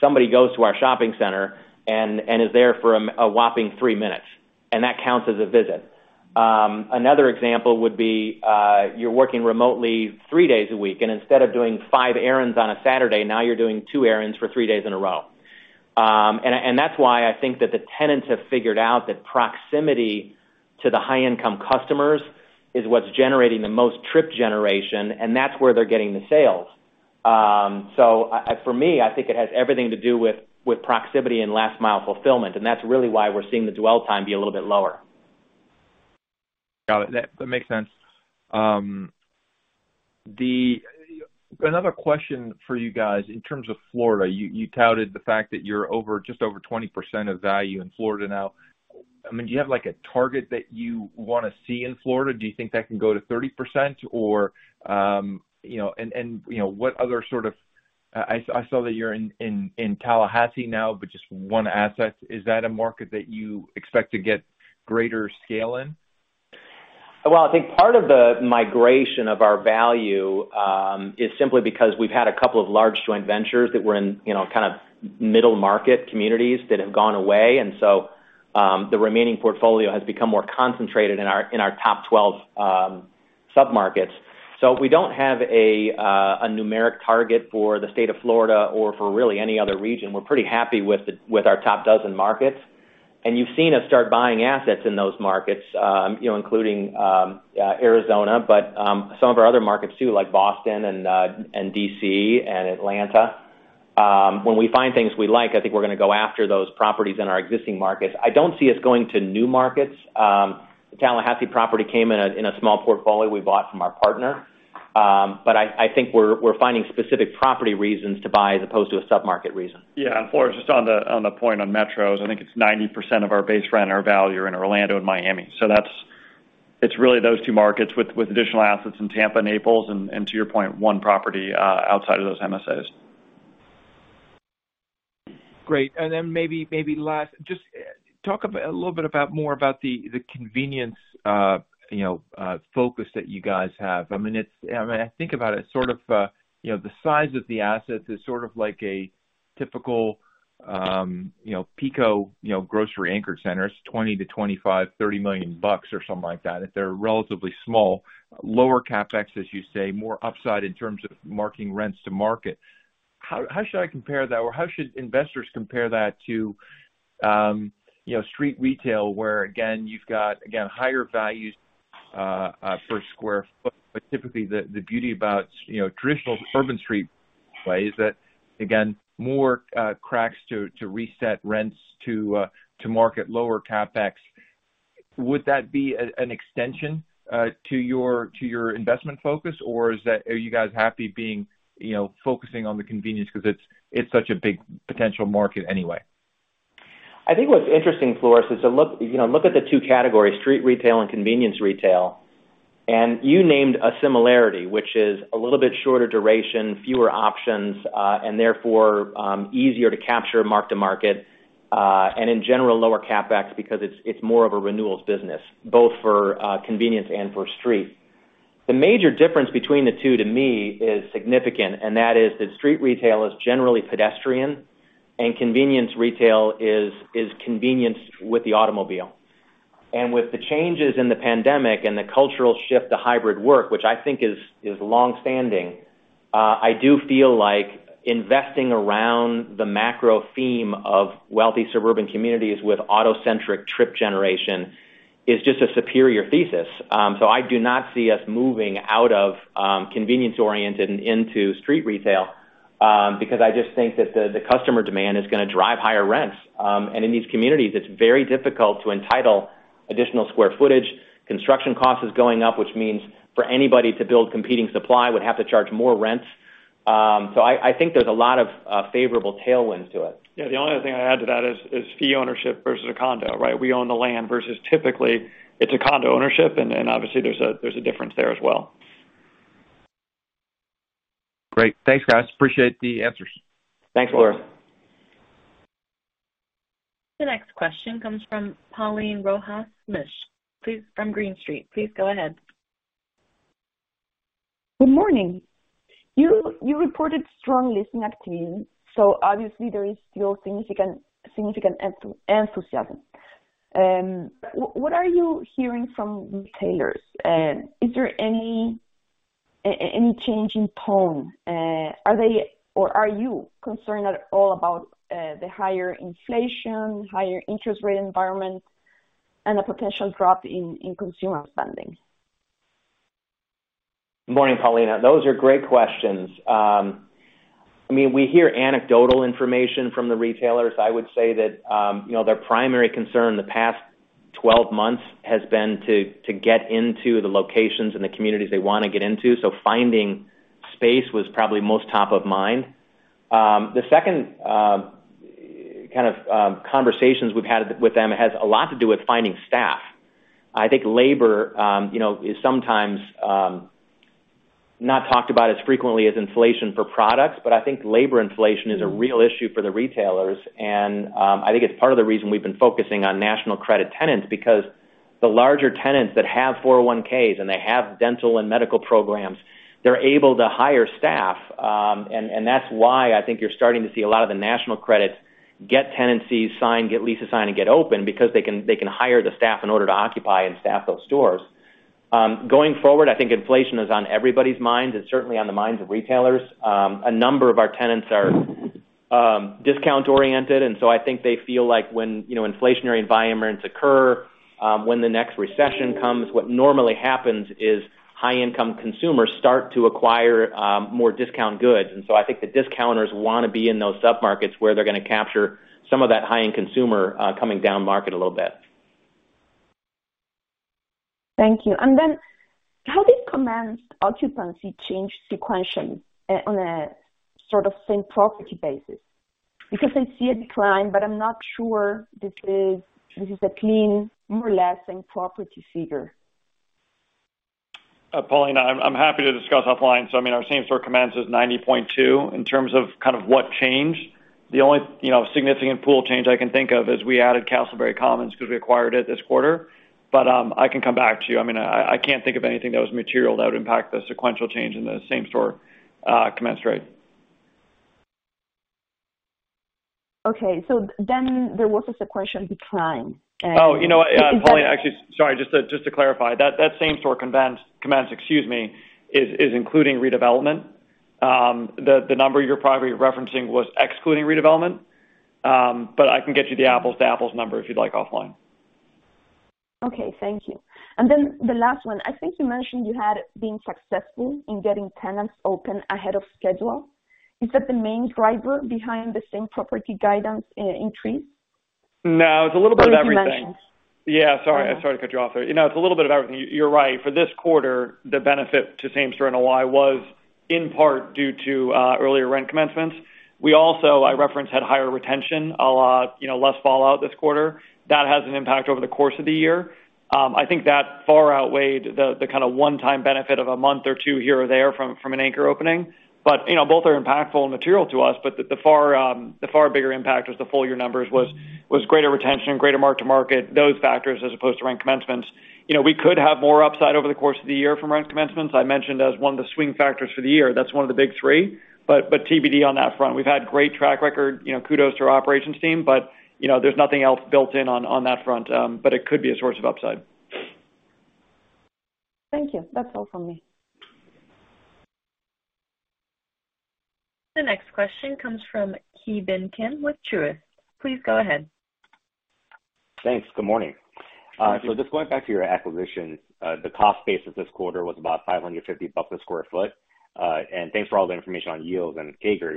somebody goes to our shopping center and is there for a whopping three minutes, and that counts as a visit. Another example would be, you're working remotely three days a week, and instead of doing five errands on a Saturday, now you're doing two errands for three days in a row. That's why I think that the tenants have figured out that proximity to the high-income customers is what's generating the most trip generation, and that's where they're getting the sales. For me, I think it has everything to do with proximity and last mile fulfillment, and that's really why we're seeing the dwell time be a little bit lower. Got it. That makes sense. Another question for you guys. In terms of Florida, you touted the fact that you're just over 20% of value in Florida now. I mean, do you have like a target that you wanna see in Florida? Do you think that can go to 30%? I saw that you're in Tallahassee now, but just one asset. Is that a market that you expect to get greater scale in? Well, I think part of the migration of our value is simply because we've had a couple of large joint ventures that were in, you know, kind of middle market communities that have gone away. The remaining portfolio has become more concentrated in our top 12 submarkets. We don't have a numeric target for the state of Florida or for really any other region. We're pretty happy with our top 12 markets. You've seen us start buying assets in those markets, you know, including Arizona, but some of our other markets too, like Boston and D.C. and Atlanta. When we find things we like, I think we're gonna go after those properties in our existing markets. I don't see us going to new markets. The Tallahassee property came in a small portfolio we bought from our partner. I think we're finding specific property reasons to buy as opposed to a sub-market reason. Yeah, Floris, just on the point on metros, I think it's 90% of our base rent or value in Orlando and Miami. That's it really those two markets with additional assets in Tampa and Naples and to your point, one property outside of those MSAs. Great. Maybe last. Just talk a little bit about more about the convenience, you know, focus that you guys have. I mean, it's. I mean, I think about it sort of, you know, the size of the assets is sort of like a typical, you know, PECO, you know, grocery-anchored centers, $20 million-$25 million or $30 million or something like that. They're relatively small. Lower CapEx, as you say, more upside in terms of marking rents to market. How should I compare that? Or how should investors compare that to, you know, street retail, where again, you've got again, higher values, per square foot, but typically the beauty about, you know, traditional urban street play is that, again, more cracks to reset rents to market lower CapEx. Would that be an extension to your investment focus? Or are you guys happy being, you know, focusing on the convenience because it's such a big potential market anyway? I think what's interesting, Floris, is to look, you know, at the two categories, street retail and convenience retail. You named a similarity, which is a little bit shorter duration, fewer options, and therefore, easier to capture mark to market, and in general, lower CapEx because it's more of a renewals business, both for convenience and for street. The major difference between the two to me is significant, and that is that street retail is generally pedestrian and convenience retail is convenience with the automobile. With the changes in the pandemic and the cultural shift to hybrid work, which I think is longstanding, I do feel like investing around the macro theme of wealthy suburban communities with auto-centric trip generation is just a superior thesis. I do not see us moving out of convenience-oriented into street retail because I just think that the customer demand is gonna drive higher rents. In these communities, it's very difficult to entitle additional square footage. Construction cost is going up, which means for anybody to build competing supply would have to charge more rents. I think there's a lot of favorable tailwinds to it. Yeah. The only other thing I'd add to that is fee ownership versus a condo, right? We own the land versus typically it's a condo ownership, and then obviously there's a difference there as well. Great. Thanks, guys. Appreciate the answers. Thanks, Floris. The next question comes from Paulina Rojas Schmidt, please, from Green Street. Please go ahead. Good morning. You reported strong leasing activity, so obviously there is still significant enthusiasm. What are you hearing from retailers? Is there any change in tone? Are they or are you concerned at all about the higher inflation, higher interest rate environment, and a potential drop in consumer spending? Good morning, Pauline. Those are great questions. I mean, we hear anecdotal information from the retailers. I would say that, you know, their primary concern in the past 12 months has been to get into the locations and the communities they wanna get into. So finding space was probably most top of mind. The second kind of conversations we've had with them has a lot to do with finding staff. I think labor, you know, is sometimes not talked about as frequently as inflation for products, but I think labor inflation is a real issue for the retailers. I think it's part of the reason we've been focusing on national credit tenants because the larger tenants that have 401(k)s and they have dental and medical programs, they're able to hire staff. That's why I think you're starting to see a lot of the national credits get tenancies signed, get leases signed, and get open because they can hire the staff in order to occupy and staff those stores. Going forward, I think inflation is on everybody's minds. It's certainly on the minds of retailers. A number of our tenants are discount-oriented, and so I think they feel like when, you know, inflationary environments occur, when the next recession comes, what normally happens is high-income consumers start to acquire more discount goods. I think the discounters wanna be in those submarkets where they're gonna capture some of that high-end consumer coming down market a little bit. Thank you. How did commenced occupancy change sequentially, on a sort of same property basis? Because I see a decline, but I'm not sure this is a clean, more or less same property figure. Pauline, I'm happy to discuss offline. I mean, our same-store commenced is 90.2%. In terms of kind of what changed, the only, you know, significant pool change I can think of is we added Casselberry Commons because we acquired it this quarter. I can come back to you. I mean, I can't think of anything that was material that would impact the sequential change in the same-store, commenced rate. Okay. There was a sequential decline. Oh, you know what? Yeah. Pauline, actually. Sorry, just to clarify, that same-store comps is including redevelopment. The number you're probably referencing was excluding redevelopment. But I can get you the apples-to-apples number if you'd like offline. Okay, thank you. The last one. I think you mentioned you had been successful in getting tenants open ahead of schedule. Is that the main driver behind the same-property guidance, increase? No, it's a little bit of everything. Did you mention? Yeah, sorry. I'm sorry to cut you off there. You know, it's a little bit of everything. You're right. For this quarter, the benefit to same-store NOI was in part due to earlier rent commencements. We also, I referenced, had higher retention, a lot, you know, less fallout this quarter. That has an impact over the course of the year. I think that far outweighed the kind of one-time benefit of a month or two here or there from an anchor opening. You know, both are impactful and material to us. The far bigger impact was the full year numbers was greater retention, greater mark-to-market, those factors as opposed to rent commencements. You know, we could have more upside over the course of the year from rent commencements. I mentioned as one of the swing factors for the year. That's one of the big three. TBD on that front. We've had great track record, you know, kudos to our operations team, but, you know, there's nothing else built in on that front. It could be a source of upside. Thank you. That's all from me. The next question comes from Ki Bin Kim with Truist. Please go ahead. Thanks. Good morning. Thank you. Just going back to your acquisition. The cost basis this quarter was about $550 a sq ft. Thanks for all the information on yields and CAGR.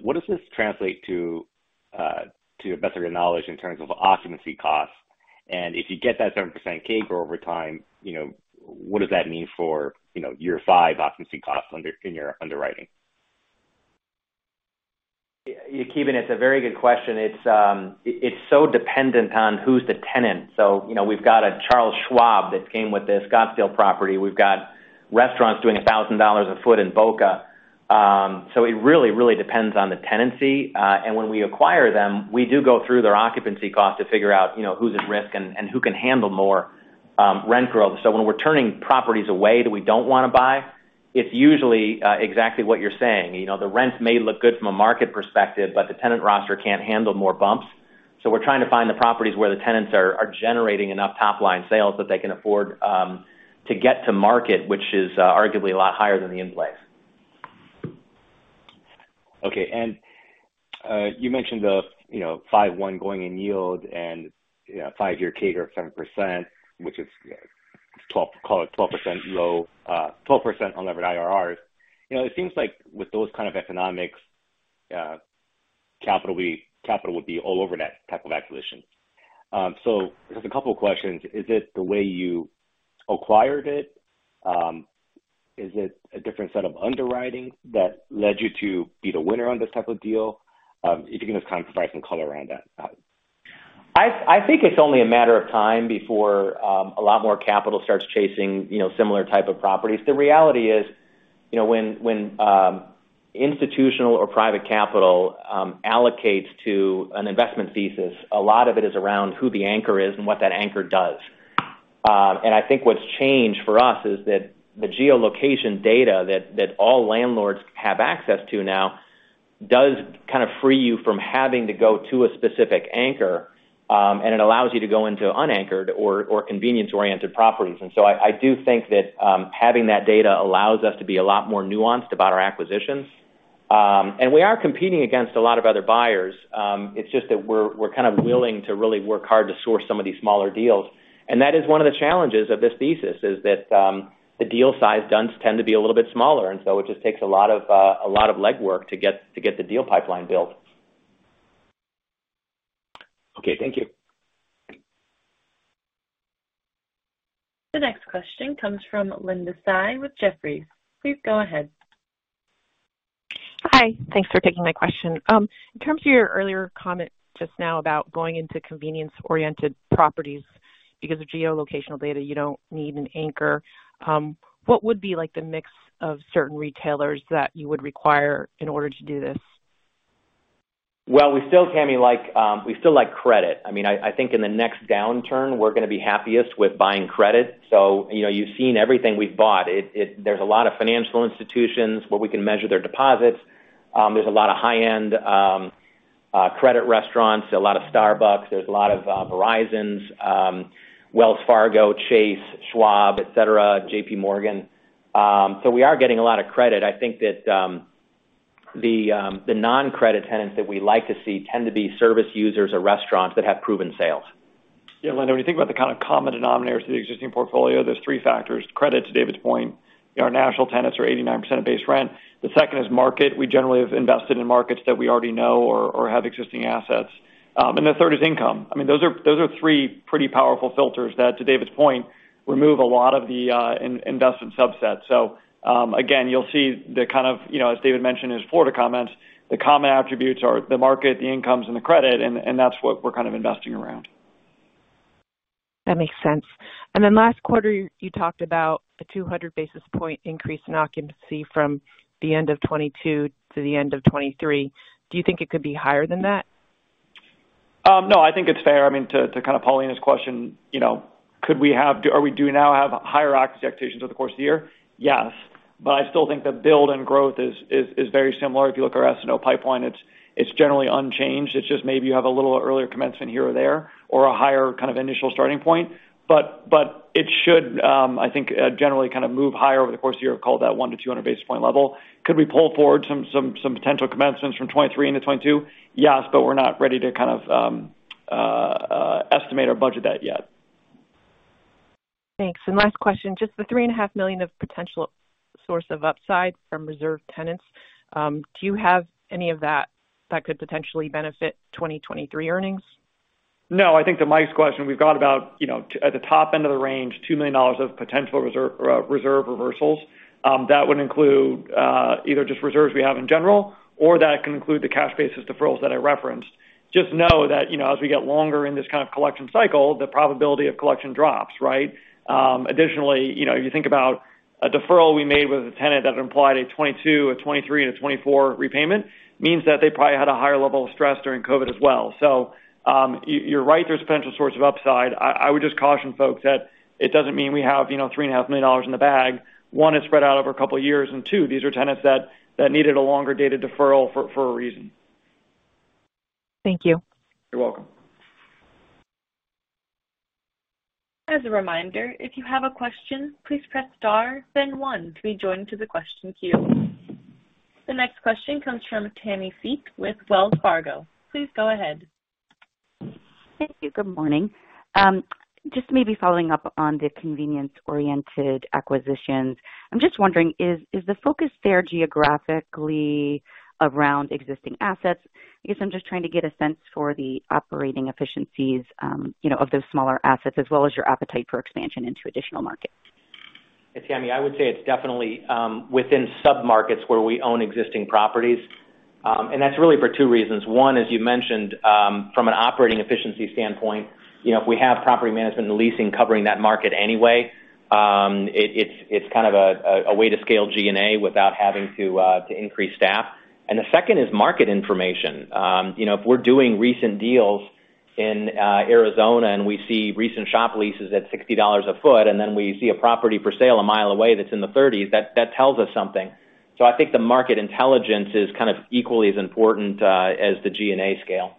What does this translate to the best of your knowledge in terms of occupancy costs? If you get that 7% CAGR over time, you know, what does that mean for, you know, year five occupancy costs in your underwriting? Yeah, Ki Bin, it's a very good question. It's so dependent on who's the tenant. You know, we've got a Charles Schwab that came with the Scottsdale property. We've got restaurants doing $1,000 a foot in Boca. It really depends on the tenancy. And when we acquire them, we do go through their occupancy cost to figure out, you know, who's at risk and who can handle more rent growth. When we're turning properties away that we don't wanna buy, it's usually exactly what you're saying. You know, the rents may look good from a market perspective, but the tenant roster can't handle more bumps. We're trying to find the properties where the tenants are generating enough top-line sales that they can afford to get to market, which is arguably a lot higher than the in-place. Okay. You mentioned the, you know, 5.1% going in yield and, you know, five-year CAGR of 7%, which is 12% low, 12% on levered IRRs. You know, it seems like with those kind of economics, capital would be all over that type of acquisition. Just a couple of questions. Is it the way you acquired it? Is it a different set of underwriting that led you to be the winner on this type of deal? If you can just kind of provide some color around that. I think it's only a matter of time before a lot more capital starts chasing, you know, similar type of properties. The reality is, you know, when institutional or private capital allocates to an investment thesis, a lot of it is around who the anchor is and what that anchor does. I think what's changed for us is that the geolocation data that all landlords have access to now does kind of free you from having to go to a specific anchor, and it allows you to go into unanchored or convenience-oriented properties. I do think that having that data allows us to be a lot more nuanced about our acquisitions. We are competing against a lot of other buyers. It's just that we're kind of willing to really work hard to source some of these smaller deals. That is one of the challenges of this thesis, is that the deal size does tend to be a little bit smaller, and so it just takes a lot of legwork to get the deal pipeline built. Okay, thank you. The next question comes from Linda Tsai with Jefferies. Please go ahead. Hi. Thanks for taking my question. In terms of your earlier comment just now about going into convenience-oriented properties because of geolocational data, you don't need an anchor. What would be, like, the mix of certain retailers that you would require in order to do this? Well, we still, kind of, we still like credit. I mean, I think in the next downturn, we're gonna be happiest with buying credit. You know, you've seen everything we've bought. There's a lot of financial institutions where we can measure their deposits. There's a lot of high-end credit restaurants, a lot of Starbucks, there's a lot of Verizon, Wells Fargo, Chase, Schwab, et cetera, JPMorgan. We are getting a lot of credit. I think that the non-credit tenants that we like to see tend to be service users or restaurants that have proven sales. Yeah, Linda, when you think about the kind of common denominators to the existing portfolio, there's three factors. Credit, to David's point. You know, our national tenants are 89% of base rent. The second is market. We generally have invested in markets that we already know or have existing assets. And the third is income. I mean, those are three pretty powerful filters that, to David's point, remove a lot of the investment subset. Again, you'll see the kind of, you know, as David mentioned in his Florida comments, the common attributes are the market, the incomes, and the credit, and that's what we're kind of investing around. That makes sense. Last quarter, you talked about a 200 basis point increase in occupancy from the end of 2022 to the end of 2023. Do you think it could be higher than that? No, I think it's fair. I mean, to kind of Paulina's question, you know, could we have or do we now have higher occupancy expectations over the course of the year? Yes. But I still think the build and growth is very similar. If you look at our SNO pipeline, it's generally unchanged. It's just maybe you have a little earlier commencement here or there or a higher kind of initial starting point. But it should, I think, generally kind of move higher over the course of the year, call it that 100 basis points to 200 basis points level. Could we pull forward some potential commencements from 2023 into 2022? Yes, but we're not ready to kind of estimate or budget that yet. Thanks. Last question. Just the $3.5 million of potential source of upside from reserve tenants, do you have any of that that could potentially benefit 2023 earnings? No, I think to Mike's question, we've got about, you know, at the top end of the range, $2 million of potential reserve reversals. That would include either just reserves we have in general or that can include the cash basis deferrals that I referenced. Just know that, you know, as we get longer in this kind of collection cycle, the probability of collection drops, right? Additionally, you know, you think about a deferral we made with a tenant that implied a 2022, a 2023, and a 2024 repayment means that they probably had a higher level of stress during COVID as well. You're right, there's potential source of upside. I would just caution folks that it doesn't mean we have, you know, $3.5 million in the bag. One, it's spread out over a couple of years, and two, these are tenants that needed a longer data deferral for a reason. Thank you. You're welcome. As a reminder, if you have a question, please press star then one to be joined to the question queue. The next question comes from Tammi Fique with Wells Fargo. Please go ahead. Thank you. Good morning. Just maybe following up on the convenience-oriented acquisitions. I'm just wondering, is the focus there geographically around existing assets? I guess I'm just trying to get a sense for the operating efficiencies, you know, of those smaller assets as well as your appetite for expansion into additional markets. Hey, Tammi. I would say it's definitely within submarkets where we own existing properties. That's really for two reasons. One, as you mentioned, from an operating efficiency standpoint, you know, if we have property management and leasing covering that market anyway, it's kind of a way to scale G&A without having to increase staff. The second is market information. You know, if we're doing recent deals in Arizona and we see recent shop leases at $60 a foot, and then we see a property for sale a mile away that's in the $30s, that tells us something. I think the market intelligence is kind of equally as important as the G&A scale.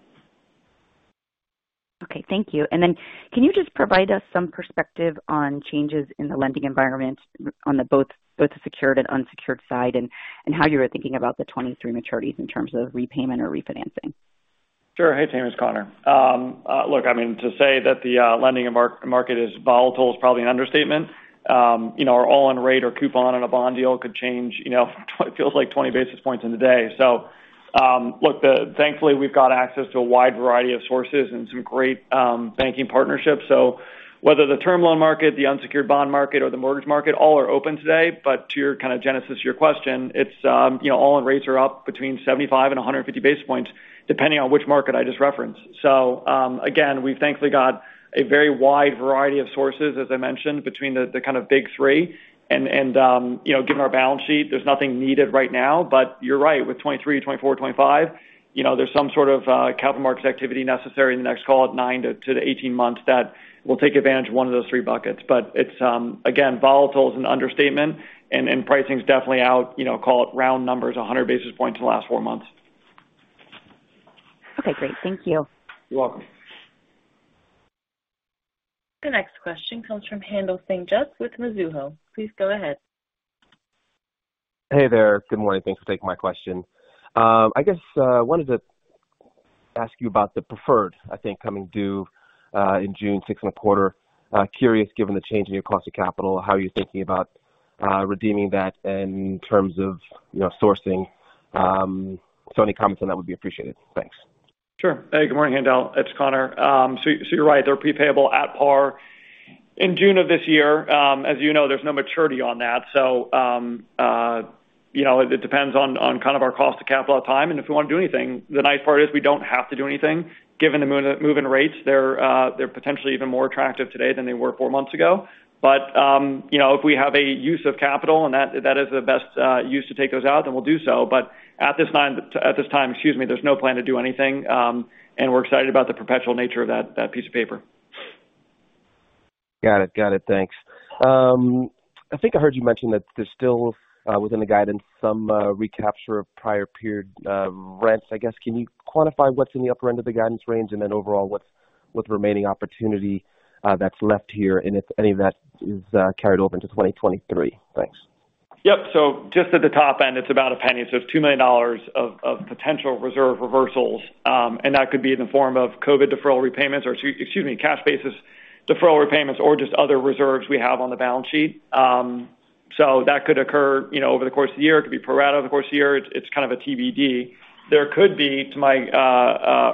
Okay, thank you. Can you just provide us some perspective on changes in the lending environment on both the secured and unsecured side and how you were thinking about the 2023 maturities in terms of repayment or refinancing? Sure. Hey, Tammi. It's Conor. Look, I mean, to say that the lending market is volatile is probably an understatement. You know, our all-in rate or coupon on a bond deal could change, you know, it feels like 20 basis points in a day. Look, thankfully, we've got access to a wide variety of sources and some great banking partnerships. Whether the term loan market, the unsecured bond market or the mortgage market, all are open today. To your kind of genesis of your question, it's, you know, all-in rates are up between 75 basis points and 150 basis points, depending on which market I just referenced. Again, we've thankfully got a very wide variety of sources, as I mentioned, between the kind of big three and you know, given our balance sheet, there's nothing needed right now. You're right, with 2023, 2024, 2025, you know, there's some sort of capital markets activity necessary in the next call it nine to 18 months that we'll take advantage of one of those three buckets. It's again, volatile is an understatement, and pricing is definitely out, you know, call it round numbers, 100 basis points in the last four months. Okay, great. Thank you. You're welcome. The next question comes from Haendel St. Juste with Mizuho. Please go ahead. Hey there. Good morning. Thanks for taking my question. I guess I wanted to ask you about the preferred, I think, coming due in June 6th and a quarter. I'm curious, given the change in your cost of capital, how are you thinking about redeeming that in terms of, you know, sourcing? Any comments on that would be appreciated. Thanks. Sure. Hey, good morning, Haendel. It's Conor. You're right. They're prepayable at par in June of this year. As you know, there's no maturity on that. You know, it depends on kind of our cost of capital at the time, and if we wanna do anything. The nice part is we don't have to do anything. Given the move in rates, they're potentially even more attractive today than they were four months ago. You know, if we have a use of capital and that is the best use to take those out, then we'll do so. At this time, excuse me, there's no plan to do anything, and we're excited about the perpetual nature of that piece of paper. Got it. Thanks. I think I heard you mention that there's still within the guidance some recapture of prior period rents, I guess. Can you quantify what's in the upper end of the guidance range and then overall, what's remaining opportunity that's left here and if any of that is carried over into 2023? Thanks. Yep. Just at the top end, it's about a penny. It's $2 million of potential reserve reversals, and that could be in the form of COVID deferral repayments or excuse me, cash basis deferral repayments or just other reserves we have on the balance sheet. That could occur, you know, over the course of the year. It could be pro rata over the course of the year. It's kind of a TBD. There could be, to my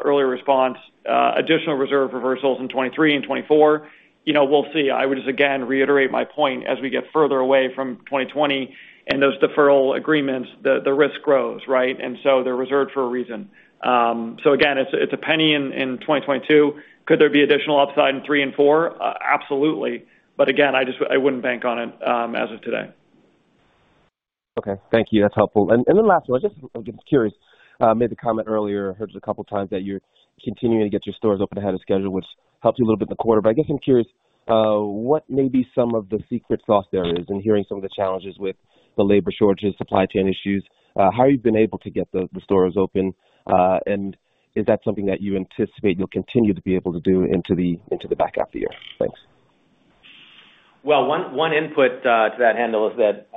earlier response, additional reserve reversals in 2023 and 2024. You know, we'll see. I would just again reiterate my point, as we get further away from 2020 and those deferral agreements, the risk grows, right? They're reserved for a reason. Again, it's a penny in 2022. Could there be additional upside in three and four? Absolutely. Again, I wouldn't bank on it, as of today. Okay. Thank you. That's helpful. Lastly, I'm just curious. You made the comment earlier, I heard it a couple of times that you're continuing to get your stores open ahead of schedule, which helped you a little bit in the quarter. I guess I'm curious, what may be some of the secret sauce there is, I've been hearing some of the challenges with the labor shortages, supply chain issues, how you've been able to get the stores open, and is that something that you anticipate you'll continue to be able to do into the back half of the year? Thanks. Well, one input to that, Haendel, is that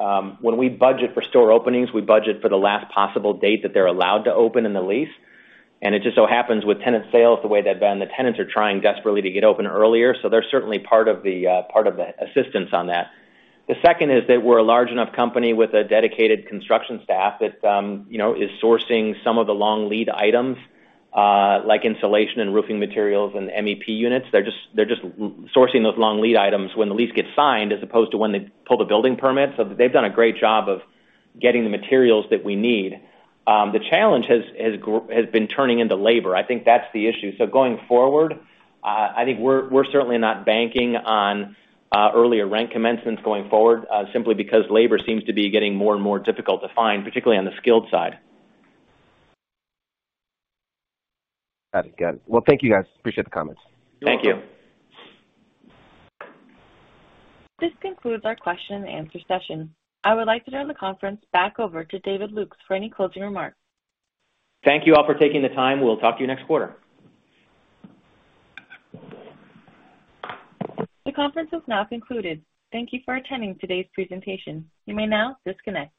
when we budget for store openings, we budget for the last possible date that they're allowed to open in the lease. It just so happens with tenant sales the way they've been, the tenants are trying desperately to get open earlier. They're certainly part of the assistance on that. The second is that we're a large enough company with a dedicated construction staff that you know is sourcing some of the long lead items like insulation and roofing materials and MEP units. They're just sourcing those long lead items when the lease gets signed as opposed to when they pull the building permit. They've done a great job of getting the materials that we need. The challenge has been turning into labor. I think that's the issue. Going forward, I think we're certainly not banking on earlier rent commencements going forward, simply because labor seems to be getting more and more difficult to find, particularly on the skilled side. Got it. Well, thank you, guys. Appreciate the comments. Thank you. This concludes our question-and-answer session. I would like to turn the conference back over to David Lukes for any closing remarks. Thank you all for taking the time. We'll talk to you next quarter. The conference has now concluded. Thank you for attending today's presentation. You may now disconnect.